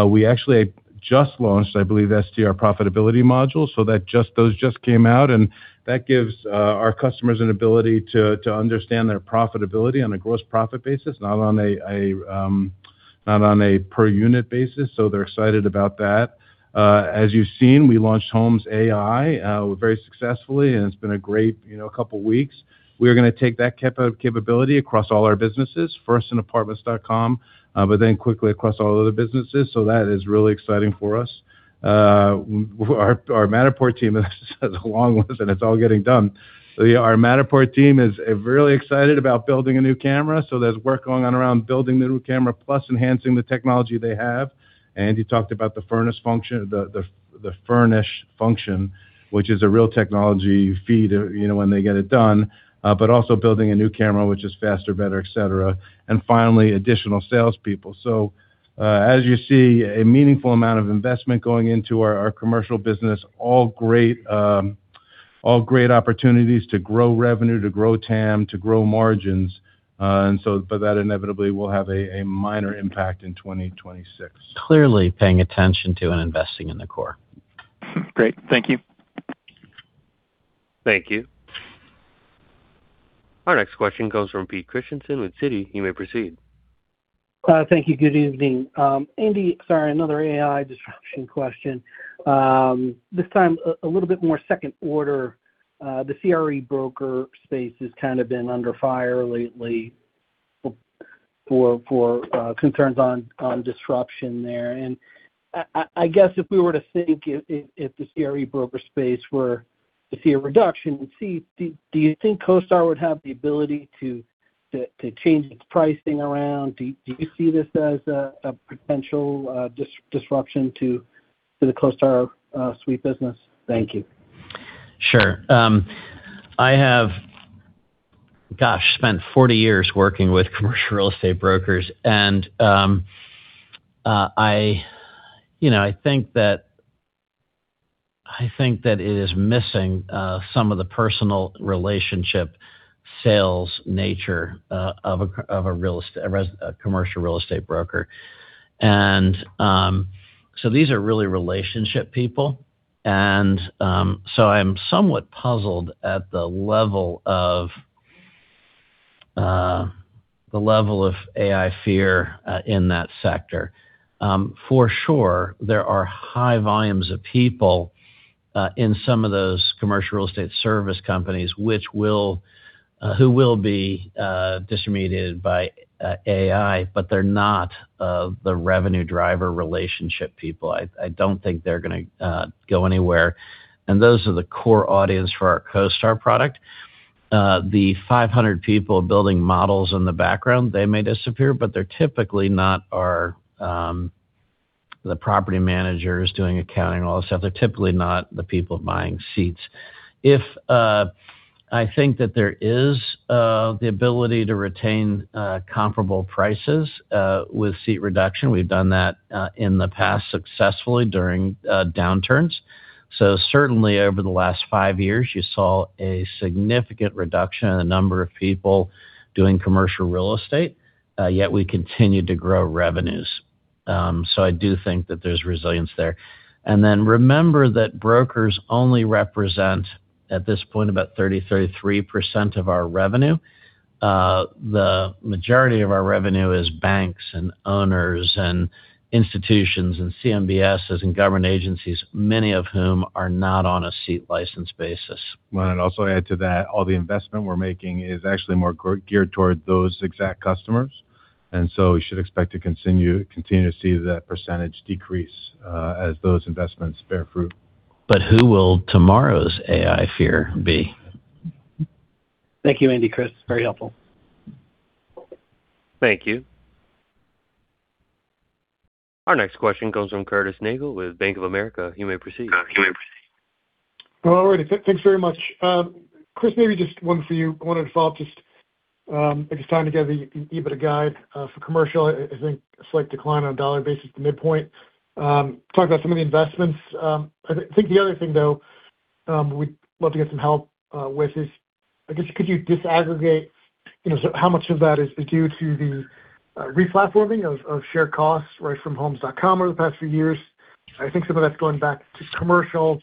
We actually just launched, I believe, STR profitability module, so those just came out, and that gives our customers an ability to understand their profitability on a gross profit basis, not on a, not on a per unit basis, so they're excited about that. As you've seen, we launched Homes AI very successfully, and it's been a great, you know, couple weeks. We are gonna take that capability across all our businesses, first in Apartments.com, but then quickly across all other businesses. That is really exciting for us. Our Matterport team is a long one, and it's all getting done. Our Matterport team is really excited about building a new camera, so there's work going on around building the new camera, plus enhancing the technology they have. Andy talked about the Furnish function, which is a real technology feed, you know, when they get it done, but also building a new camera, which is faster, better, et cetera. Finally, additional salespeople. As you see, a meaningful amount of investment going into our commercial business, all great, all great opportunities to grow revenue, to grow TAM, to grow margins, but that inevitably will have a minor impact in 2026.
Clearly paying attention to and investing in the core.
Great. Thank you.
Thank you. Our next question comes from Peter Christiansen with Citi. You may proceed.
Thank you. Good evening. Andy, sorry, another AI disruption question. This time, a little bit more second order. The CRE broker space has kind of been under fire lately for concerns on disruption there. I guess if we were to think if the CRE broker space were to see a reduction, do you think CoStar would have the ability to change its pricing around? Do you see this as a potential disruption to the CoStar suite business? Thank you.
Sure. I have, gosh, spent 40 years working with commercial real estate brokers, I, you know, I think that it is missing some of the personal relationship sales nature of a commercial real estate broker. These are really relationship people, so I'm somewhat puzzled at the level of the level of AI fear in that sector. For sure, there are high volumes of people in some of those commercial real estate service companies, which will who will be disintermediated by AI, they're not the revenue driver relationship people. I don't think they're gonna go anywhere, those are the core audience for our CoStar product. The 500 people building models in the background, they may disappear, but they're typically not our, the property managers doing accounting and all that stuff. They're typically not the people buying seats. If I think that there is the ability to retain comparable prices with seat reduction. We've done that in the past successfully during downturns. Certainly over the last five years, you saw a significant reduction in the number of people doing commercial real estate, yet we continued to grow revenues. I do think that there's resilience there. Remember that brokers only represent, at this point, about 30%, 33% of our revenue. The majority of our revenue is banks and owners and institutions and CMBS and government agencies, many of whom are not on a seat license basis.
Well, and also add to that, all the investment we're making is actually more geared toward those exact customers, and so we should expect to continue to see that percentage decrease, as those investments bear fruit.
Who will tomorrow's AI fear be?
Thank you, Andy, Chris. Very helpful. Thank you. Our next question comes from Curtis Nagle with Bank of America. You may proceed.
Alrighty. Thanks very much. Chris Lown, maybe just one for you, one involved, just, I guess, trying to get the EBITDA guide for commercial. I think a slight decline on a dollar basis to midpoint. Talk about some of the investments. I think the other thing, though, we'd love to get some help with is, I guess, could you disaggregate, you know, so how much of that is due to the re-platforming of shared costs, right, from Homes.com over the past few years? I think some of that's going back to commercial.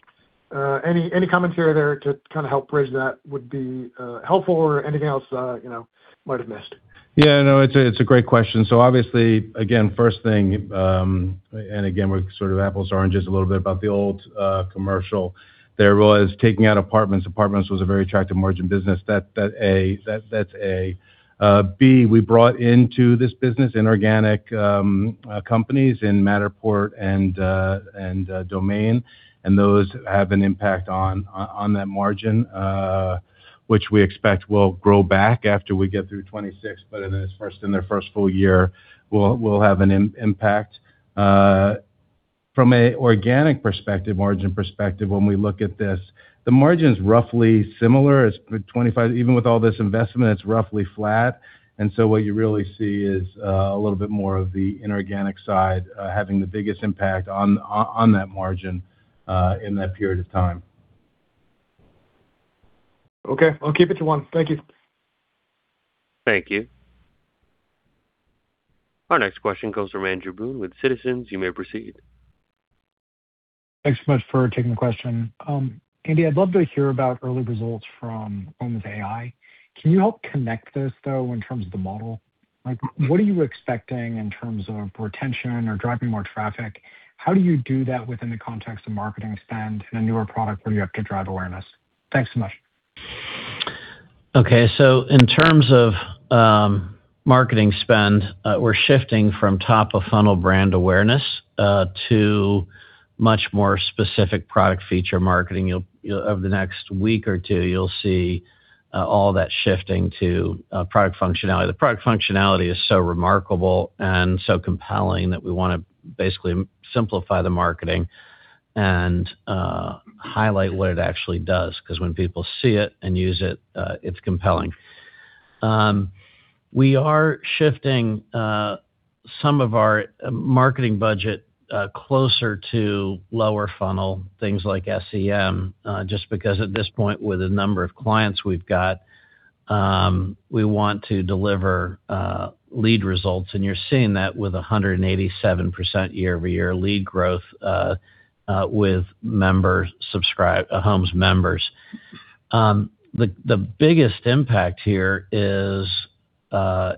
Any commentary there to kind of help bridge that would be helpful or anything else, you know, might have missed?
No, it's a great question. Obviously, again, first thing, and again, we're sort of apples, oranges, a little bit about the old commercial. There was taking out Apartments. Apartments was a very attractive margin business. That A, that's A. B, we brought into this business inorganic companies in Matterport and Domain, and those have an impact on that margin, which we expect will grow back after we get through 26, but in their first full year, will have an impact. From an organic perspective, margin perspective, when we look at this, the margin's roughly similar as with 25. Even with all this investment, it's roughly flat, and so what you really see is a little bit more of the inorganic side having the biggest impact on that margin in that period of time.
Okay. I'll keep it to one. Thank you.
Thank you. Our next question comes from Andrew Boone with Citizens. You may proceed.
Thanks so much for taking the question. Andy, I'd love to hear about early results from Homes AI. Can you help connect this, though, in terms of the model? Like, what are you expecting in terms of retention or driving more traffic? How do you do that within the context of marketing spend in a newer product where you have to drive awareness? Thanks so much.
In terms of marketing spend, we're shifting from top of funnel brand awareness to much more specific product feature marketing. Over the next one or two weeks, you'll see all that shifting to product functionality. The product functionality is so remarkable and so compelling that we want to basically simplify the marketing and highlight what it actually does, because when people see it and use it's compelling. We are shifting some of our marketing budget closer to lower funnel, things like SEM, just because at this point, with the number of clients we've got, we want to deliver lead results, and you're seeing that with 187% year-over-year lead growth with Homes.com members. The biggest impact here is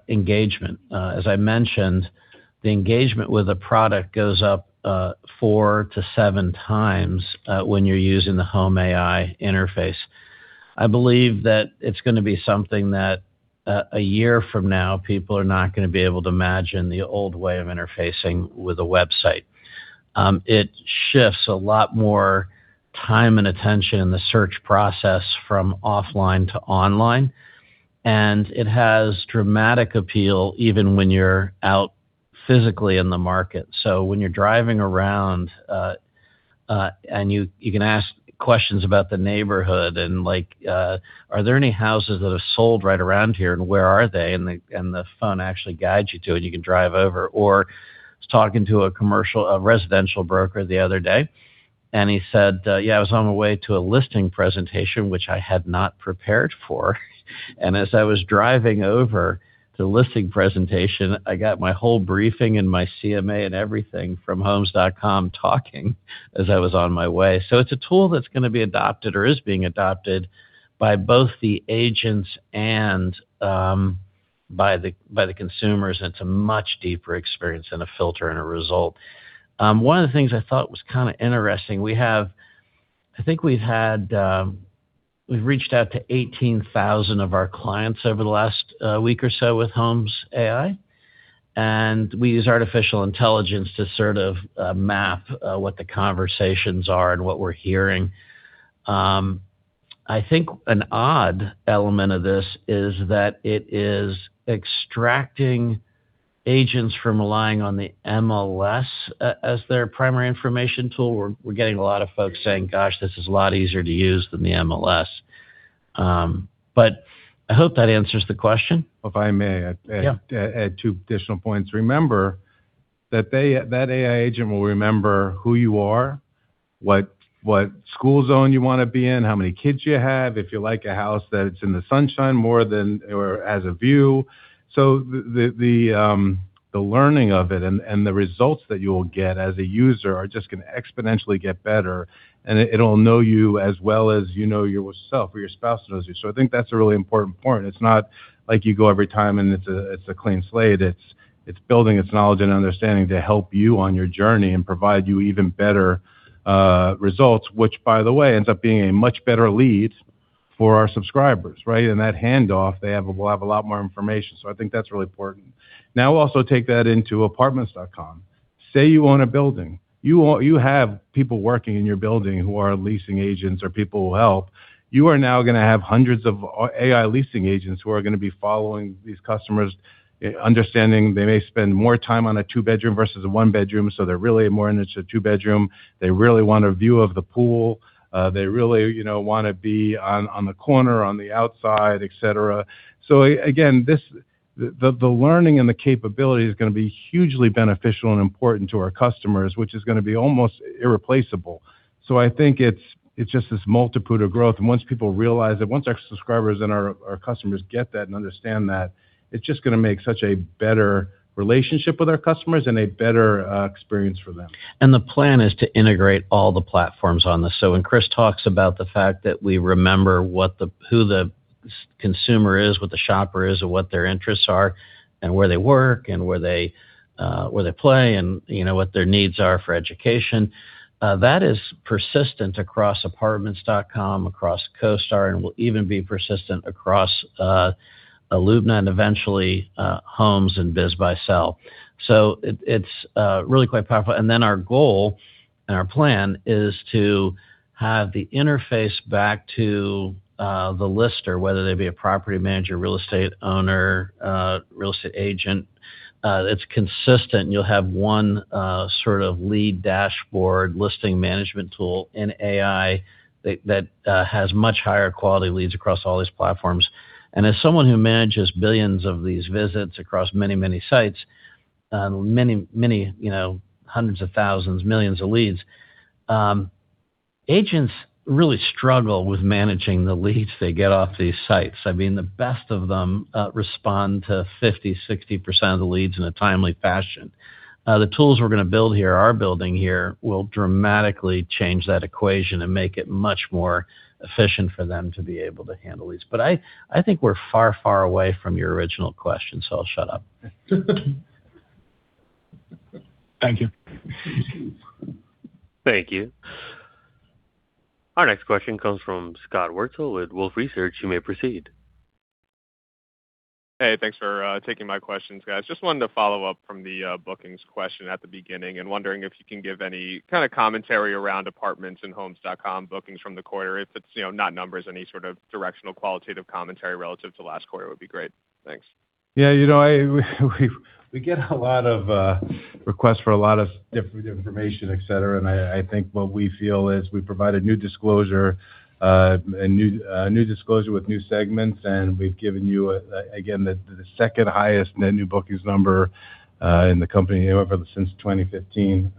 engagement. As I mentioned, the engagement with the product goes up, four to seven times, when you're using the Homes AI interface. I believe that it's gonna be something that, a year from now, people are not gonna be able to imagine the old way of interfacing with a website. It shifts a lot more time and attention in the search process from offline to online, and it has dramatic appeal even when you're out physically in the market. When you're driving around, and you can ask questions about the neighborhood and like, "Are there any houses that are sold right around here, and where are they?" The phone actually guides you to it, you can drive over. I was talking to a residential broker the other day, and he said, "Yeah, I was on my way to a listing presentation, which I had not prepared for, and as I was driving over the listing presentation, I got my whole briefing and my CMA and everything from Homes.com, talking as I was on my way." It's a tool that's gonna be adopted or is being adopted by both the agents and by the consumers, and it's a much deeper experience than a filter and a result. One of the things I thought was kind of interesting: I think we've had, we've reached out to 18,000 of our clients over the last week or so with Homes AI, and we use artificial intelligence to sort of map what the conversations are and what we're hearing. I think an odd element of this is that it is extracting agents from relying on the MLS as their primary information tool. We're, we're getting a lot of folks saying, "Gosh, this is a lot easier to use than the MLS." I hope that answers the question.
If I may...
Yeah.
add two additional points. Remember, that they, that AI agent will remember who you are, what school zone you wanna be in, how many kids you have, if you like a house that's in the sunshine more than or has a view. The learning of it and the results that you will get as a user are just gonna exponentially get better, and it'll know you as well as you know yourself or your spouse knows you. I think that's a really important point. It's not like you go every time, and it's a clean slate. It's building its knowledge and understanding to help you on your journey and provide you even better results, which, by the way, ends up being a much better lead for our subscribers, right? That handoff, they will have a lot more information. I think that's really important. Also take that into Apartments.com. Say, you own a building. You have people working in your building who are leasing agents or people who help. You are now gonna have hundreds of AI leasing agents who are gonna be following these customers, understanding they may spend more time on a two-bedroom versus a one-bedroom, so they're really more interested in a two-bedroom. They really want a view of the pool. They really, you know, wanna be on the corner, on the outside, et cetera. Again, this, the learning and the capability is gonna be hugely beneficial and important to our customers, which is gonna be almost irreplaceable. I think it's just this multitude of growth. Once people realize that, once our subscribers and our customers get that and understand that, it's just gonna make such a better relationship with our customers and a better experience for them.
The plan is to integrate all the platforms on this. When Chris talks about the fact that we remember who the consumer is, what the shopper is, or what their interests are, and where they work, and where they play, and you know, what their needs are for education, that is persistent across Apartments.com, across CoStar, and will even be persistent across Illumina, and eventually, Homes.com and BizBuySell. It's really quite powerful. Our goal and our plan is to have the interface back to the lister, whether they be a property manager, real estate owner, real estate agent, that's consistent. You'll have one sort of lead dashboard, listing management tool in AI that has much higher quality leads across all these platforms. As someone who manages billions of these visits across many, many sites, many, many, you know, hundreds of thousands, millions of leads, agents really struggle with managing the leads they get off these sites. I mean, the best of them, respond to 50%, 60% of the leads in a timely fashion. The tools we're gonna build here, are building here, will dramatically change that equation and make it much more efficient for them to be able to handle these. I think we're far, far away from your original question, so I'll shut up.
Thank you.
Thank you. Our next question comes from Scott Wurtzel with Wolfe Research. You may proceed.
Hey, thanks for taking my questions, guys. Just wanted to follow up from the bookings question at the beginning and wondering if you can give any kind of commentary around ApartmentsandHomes.com bookings from the quarter. If it's, you know, not numbers, any sort of directional, qualitative commentary relative to last quarter would be great. Thanks.
Yeah, you know, we get a lot of requests for a lot of different information, et cetera, and I think what we feel is we provided new disclosure with new segments, and we've given you again the second highest net new bookings number in the company ever since 2015.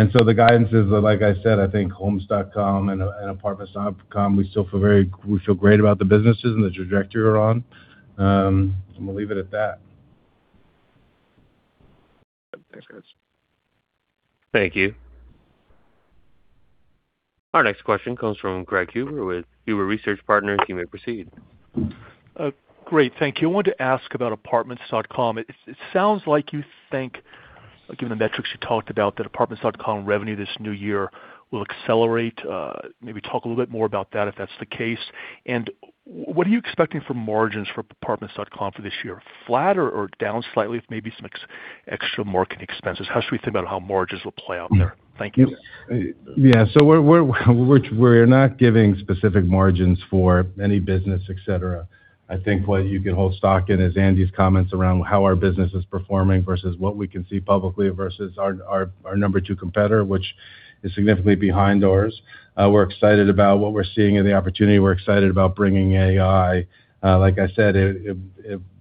The guidance is, like I said, I think Homes.com and Apartments.com, we still feel great about the businesses and the trajectory we're on. I'm gonna leave it at that.
Thanks, guys.
Thank you. Our next question comes from Craig Huber with Huber Research Partners. You may proceed.
Great. Thank you. I wanted to ask about Apartments.com. It sounds like you think, given the metrics you talked about, that Apartments.com revenue this new year will accelerate. Maybe talk a little bit more about that, if that's the case. What are you expecting for margins for Apartments.com for this year? Flat or down slightly, if maybe some extra marketing expenses? How should we think about how margins will play out there? Thank you.
We're not giving specific margins for any business, et cetera. I think what you can hold stock in is Andy's comments around how our business is performing, versus what we can see publicly, versus our number two competitor, which is significantly behind ours. We're excited about what we're seeing and the opportunity. We're excited about bringing AI. Like I said,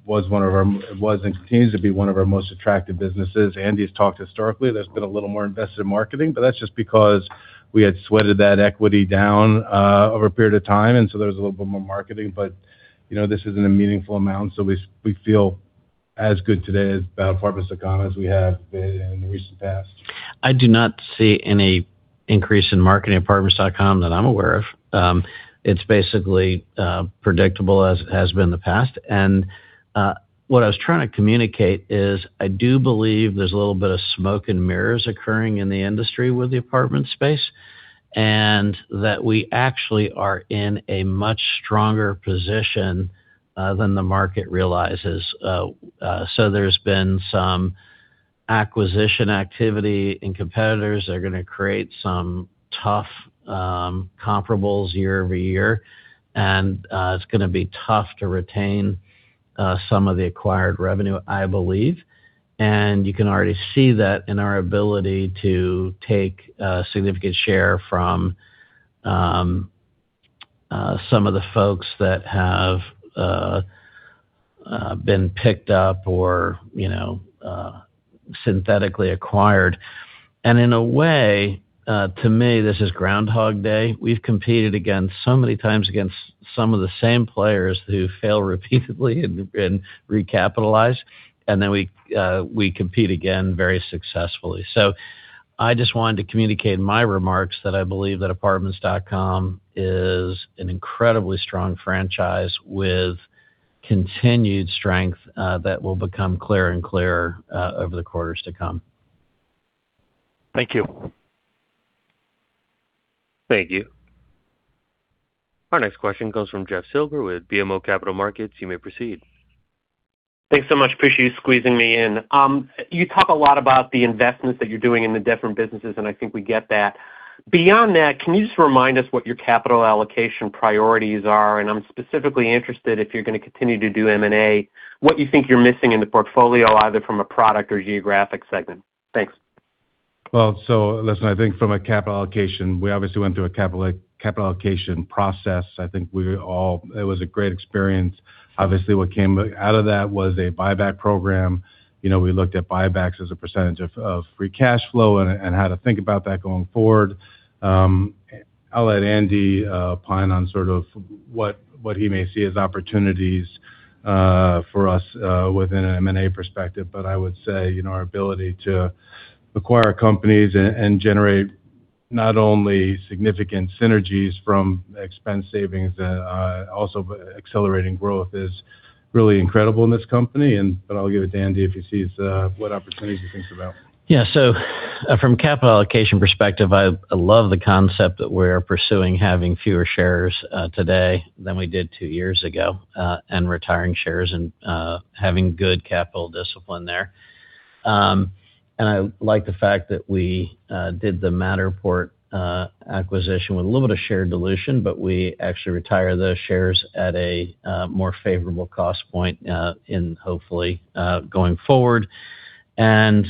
it was and continues to be one of our most attractive businesses. Andy's talked historically, there's been a little more invested in marketing, but that's just because we had sweated that equity down over a period of time, and so there was a little bit more marketing. You know, this isn't a meaningful amount, so we feel as good today about Apartments.com as we have been in the recent past.
I do not see any increase in marketing Apartments.com that I'm aware of. It's basically predictable as has been the past. What I was trying to communicate is, I do believe there's a little bit of smoke and mirrors occurring in the industry with the apartment space, and that we actually are in a much stronger position than the market realizes. There's been some acquisition activity and competitors are gonna create some tough comparables year-over-year. It's gonna be tough to retain some of the acquired revenue, I believe. You can already see that in our ability to take significant share from some of the folks that have been picked up or, you know, synthetically acquired. In a way, to me, this is Groundhog Day. We've competed against so many times against some of the same players who fail repeatedly and recapitalize, and then we compete again very successfully. I just wanted to communicate in my remarks that I believe that Apartments.com is an incredibly strong franchise with continued strength that will become clearer and clearer over the quarters to come.
Thank you.
Thank you. Our next question comes from Jeffrey Silber with BMO Capital Markets. You may proceed.
Thanks so much. Appreciate you squeezing me in. You talk a lot about the investments that you're doing in the different businesses, and I think we get that. Beyond that, can you just remind us what your capital allocation priorities are? I'm specifically interested, if you're gonna continue to do M&A, what you think you're missing in the portfolio, either from a product or geographic segment? Thanks.
Listen, I think from a capital allocation, we obviously went through a capital allocation process. I think it was a great experience. Obviously, what came out of that was a buyback program. You know, we looked at buybacks as a percentage of free cash flow and how to think about that going forward. I'll let Andy opine on sort of what he may see as opportunities for us within an M&A perspective. I would say, you know, our ability to acquire companies and generate not only significant synergies from expense savings, also accelerating growth, is really incredible in this company. I'll give it to Andy, if he sees what opportunities he thinks about.
Yeah. From a capital allocation perspective, I love the concept that we're pursuing having fewer shares today than we did two years ago, and retiring shares and having good capital discipline there. I like the fact that we did the Matterport acquisition with a little bit of shared dilution, but we actually retire those shares at a more favorable cost point in hopefully going forward. I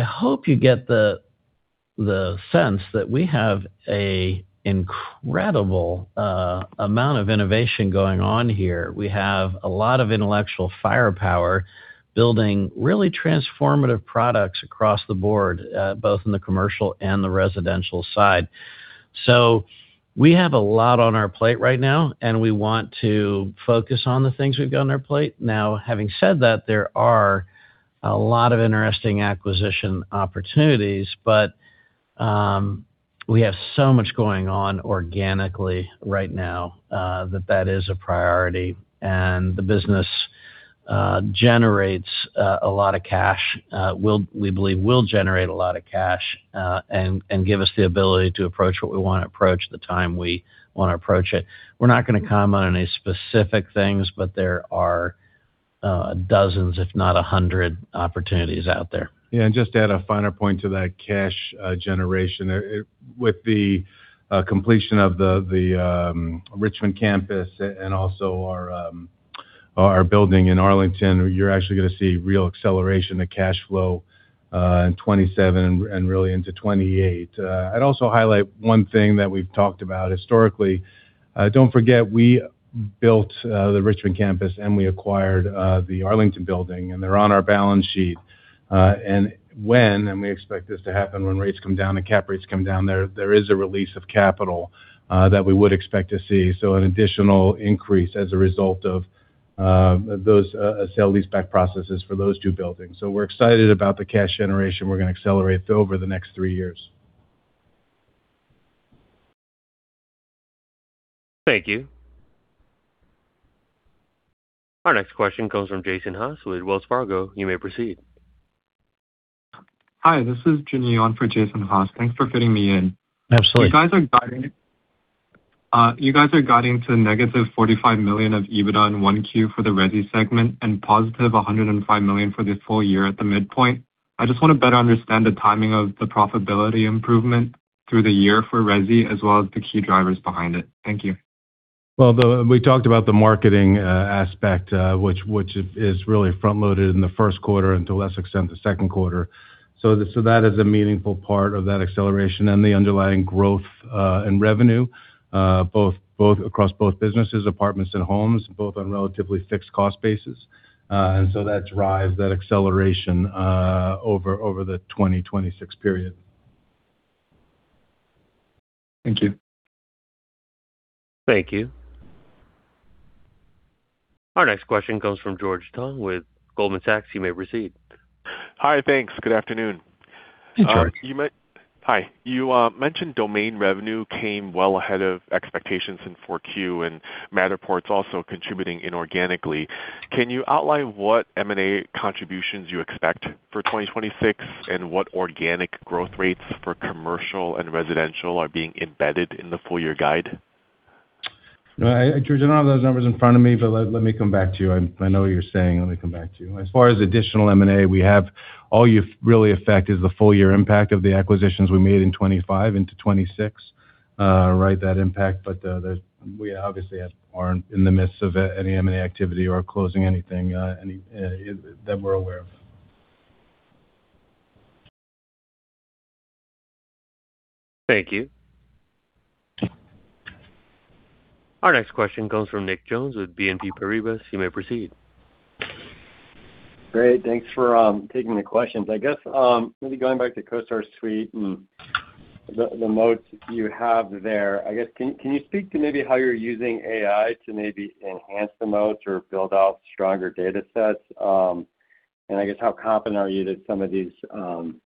hope you get the sense that we have a incredible amount of innovation going on here. We have a lot of intellectual firepower building really transformative products across the board, both in the commercial and the residential side. We have a lot on our plate right now, and we want to focus on the things we've got on our plate. Having said that, there are a lot of interesting acquisition opportunities, we have so much going on organically right now that is a priority. The business generates a lot of cash, we believe will generate a lot of cash, and give us the ability to approach what we want to approach, the time we want to approach it. We're not going to comment on any specific things, there are dozens, if not 100, opportunities out there.
Yeah, just to add a finer point to that cash generation. With the completion of the Richmond campus and also our building in Arlington, you're actually gonna see real acceleration of cash flow in 2027 and really into 2028. I'd also highlight one thing that we've talked about historically. Don't forget, we built the Richmond campus, and we acquired the Arlington building, and they're on our balance sheet. When, and we expect this to happen, when rates come down and cap rates come down, there is a release of capital that we would expect to see. An additional increase as a result of those sell leaseback processes for those two buildings. We're excited about the cash generation we're gonna accelerate over the next three years.
Thank you. Our next question comes from Jason Haas with Wells Fargo. You may proceed.
Hi, this is Jun Zhang for Jason Haas. Thanks for fitting me in.
Absolutely.
You guys are guiding to negative $45 million of EBITDA in 1Q for the resi segment and positive $105 million for the full year at the midpoint. I just want to better understand the timing of the profitability improvement through the year for resi, as well as the key drivers behind it. Thank you.
We talked about the marketing aspect which is really front-loaded in the first quarter and to a less extent, the second quarter. That is a meaningful part of that acceleration and the underlying growth and revenue across both businesses, apartments and homes, both on relatively fixed cost basis. That drives that acceleration over the 2026 period.
Thank you.
Thank you. Our next question comes from George Tong with Goldman Sachs. You may proceed.
Hi, thanks. Good afternoon.
Hey, George.
Hi. You mentioned Domain revenue came well ahead of expectations in four Q, and Matterport's also contributing inorganically. Can you outline what M&A contributions you expect for 2026, and what organic growth rates for commercial and residential are being embedded in the full year guide?
No, George, I don't have those numbers in front of me, but let me come back to you. I know what you're saying, let me come back to you. As far as additional M&A, we have all you've really affected is the full year impact of the acquisitions we made in 25 into 26, right? That impact. We obviously aren't in the midst of any M&A activity or closing anything that we're aware of.
Thank you. Our next question comes from Nicholas Jones with BNP Paribas. You may proceed.
Great, thanks for taking the questions. I guess, maybe going back to CoStar Suite and the moats you have there, I guess, can you speak to maybe how you're using AI to maybe enhance the moats or build out stronger datasets? I guess, how confident are you that some of these,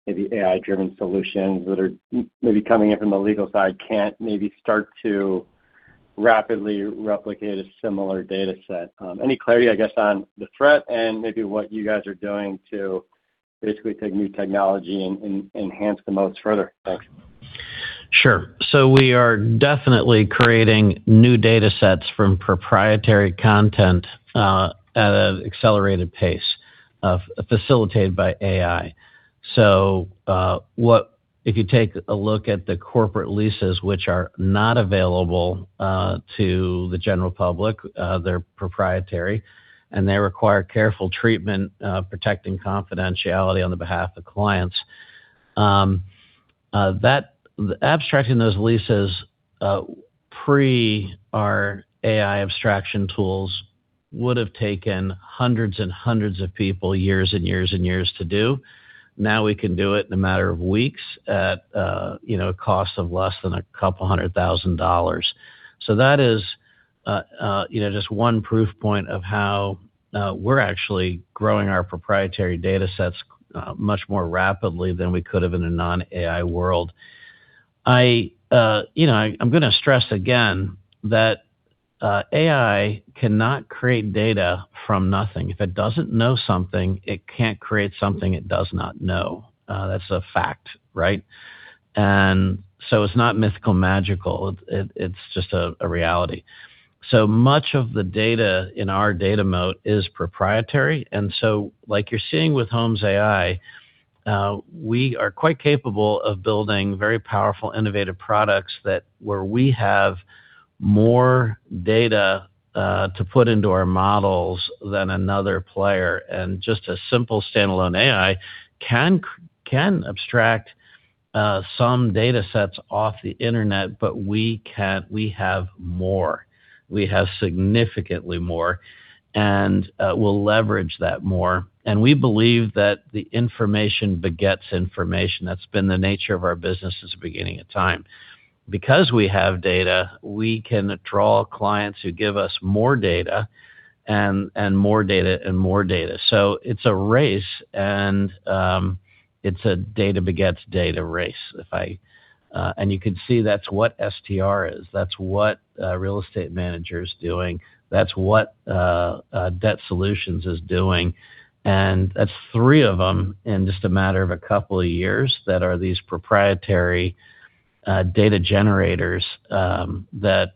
maybe AI-driven solutions that are maybe coming in from the legal side, can't maybe start to rapidly replicate a similar dataset? Any clarity, I guess, on the threat and maybe what you guys are doing to basically take new technology and enhance the moats further? Thanks.
Sure. We are definitely creating new datasets from proprietary content, at an accelerated pace facilitated by AI. If you take a look at the corporate leases, which are not available to the general public, they're proprietary, and they require careful treatment, protecting confidentiality on the behalf of clients. Abstracting those leases, pre our AI abstraction tools would have taken hundreds and hundreds of people, years and years and years to do. Now, we can do it in a matter of weeks at, you know, a cost of less than $200,000. That is, you know, just one proof point of how we're actually growing our proprietary datasets, much more rapidly than we could have in a non-AI world. I, you know, I'm gonna stress again that AI cannot create data from nothing. If it doesn't know something, it can't create something it does not know. That's a fact, right? It's not mythical, magical, it's just a reality. So much of the data in our data moat is proprietary, like you're seeing with Homes AI, we are quite capable of building very powerful, innovative products that where we have more data to put into our models than another player. Just a simple standalone AI can abstract some datasets off the internet, but we have more. We have significantly more, we'll leverage that more. We believe that the information begets information. That's been the nature of our business since the beginning of time. Because we have data, we can draw clients who give us more data and more data and more data. It's a race, and it's a data begets data race. If I... You can see that's what STR is, that's what Real Estate Manager is doing, that's what Debt Solutions is doing. That's three of them in just a matter of a couple of years, that are these proprietary data generators, that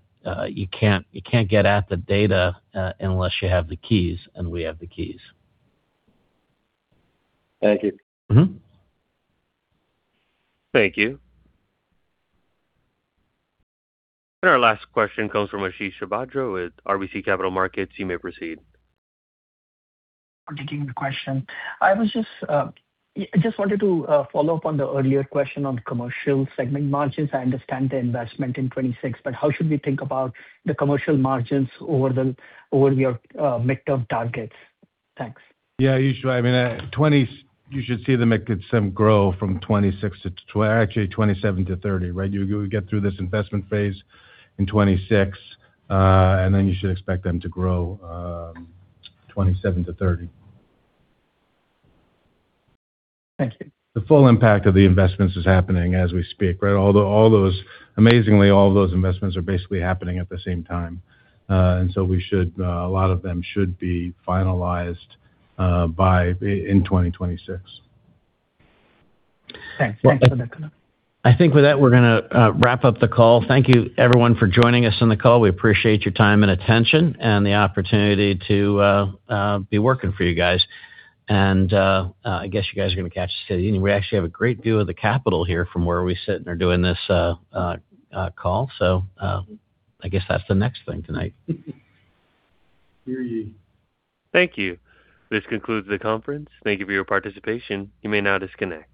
you can't, you can't get at the data unless you have the keys, and we have the keys.
Thank you.
Mm-hmm.
Thank you. Our last question comes from Sid Chhabra with RBC Capital Markets. You may proceed.
Thank you for taking the question. I was just wanted to follow up on the earlier question on commercial segment margins. I understand the investment in 2026, but how should we think about the commercial margins over your mid-term targets? Thanks.
Yeah, I mean, you should see the mid cat sim grow from 2026 to actually 2027-2030, right? You get through this investment phase in 2026, and then you should expect them to grow 2027-2030.
Thank you.
The full impact of the investments is happening as we speak, right? Amazingly, all those investments are basically happening at the same time. We should, a lot of them should be finalized in 2026.
Thanks. Thanks for that, Connor.
I think with that, we're gonna wrap up the call. Thank you everyone for joining us on the call. We appreciate your time and attention and the opportunity to be working for you guys. I guess you guys are gonna catch the city. We actually have a great view of the capital here from where we're sitting or doing this call. I guess that's the next thing tonight.
Hear you.
Thank you. This concludes the conference. Thank you for your participation. You may now disconnect.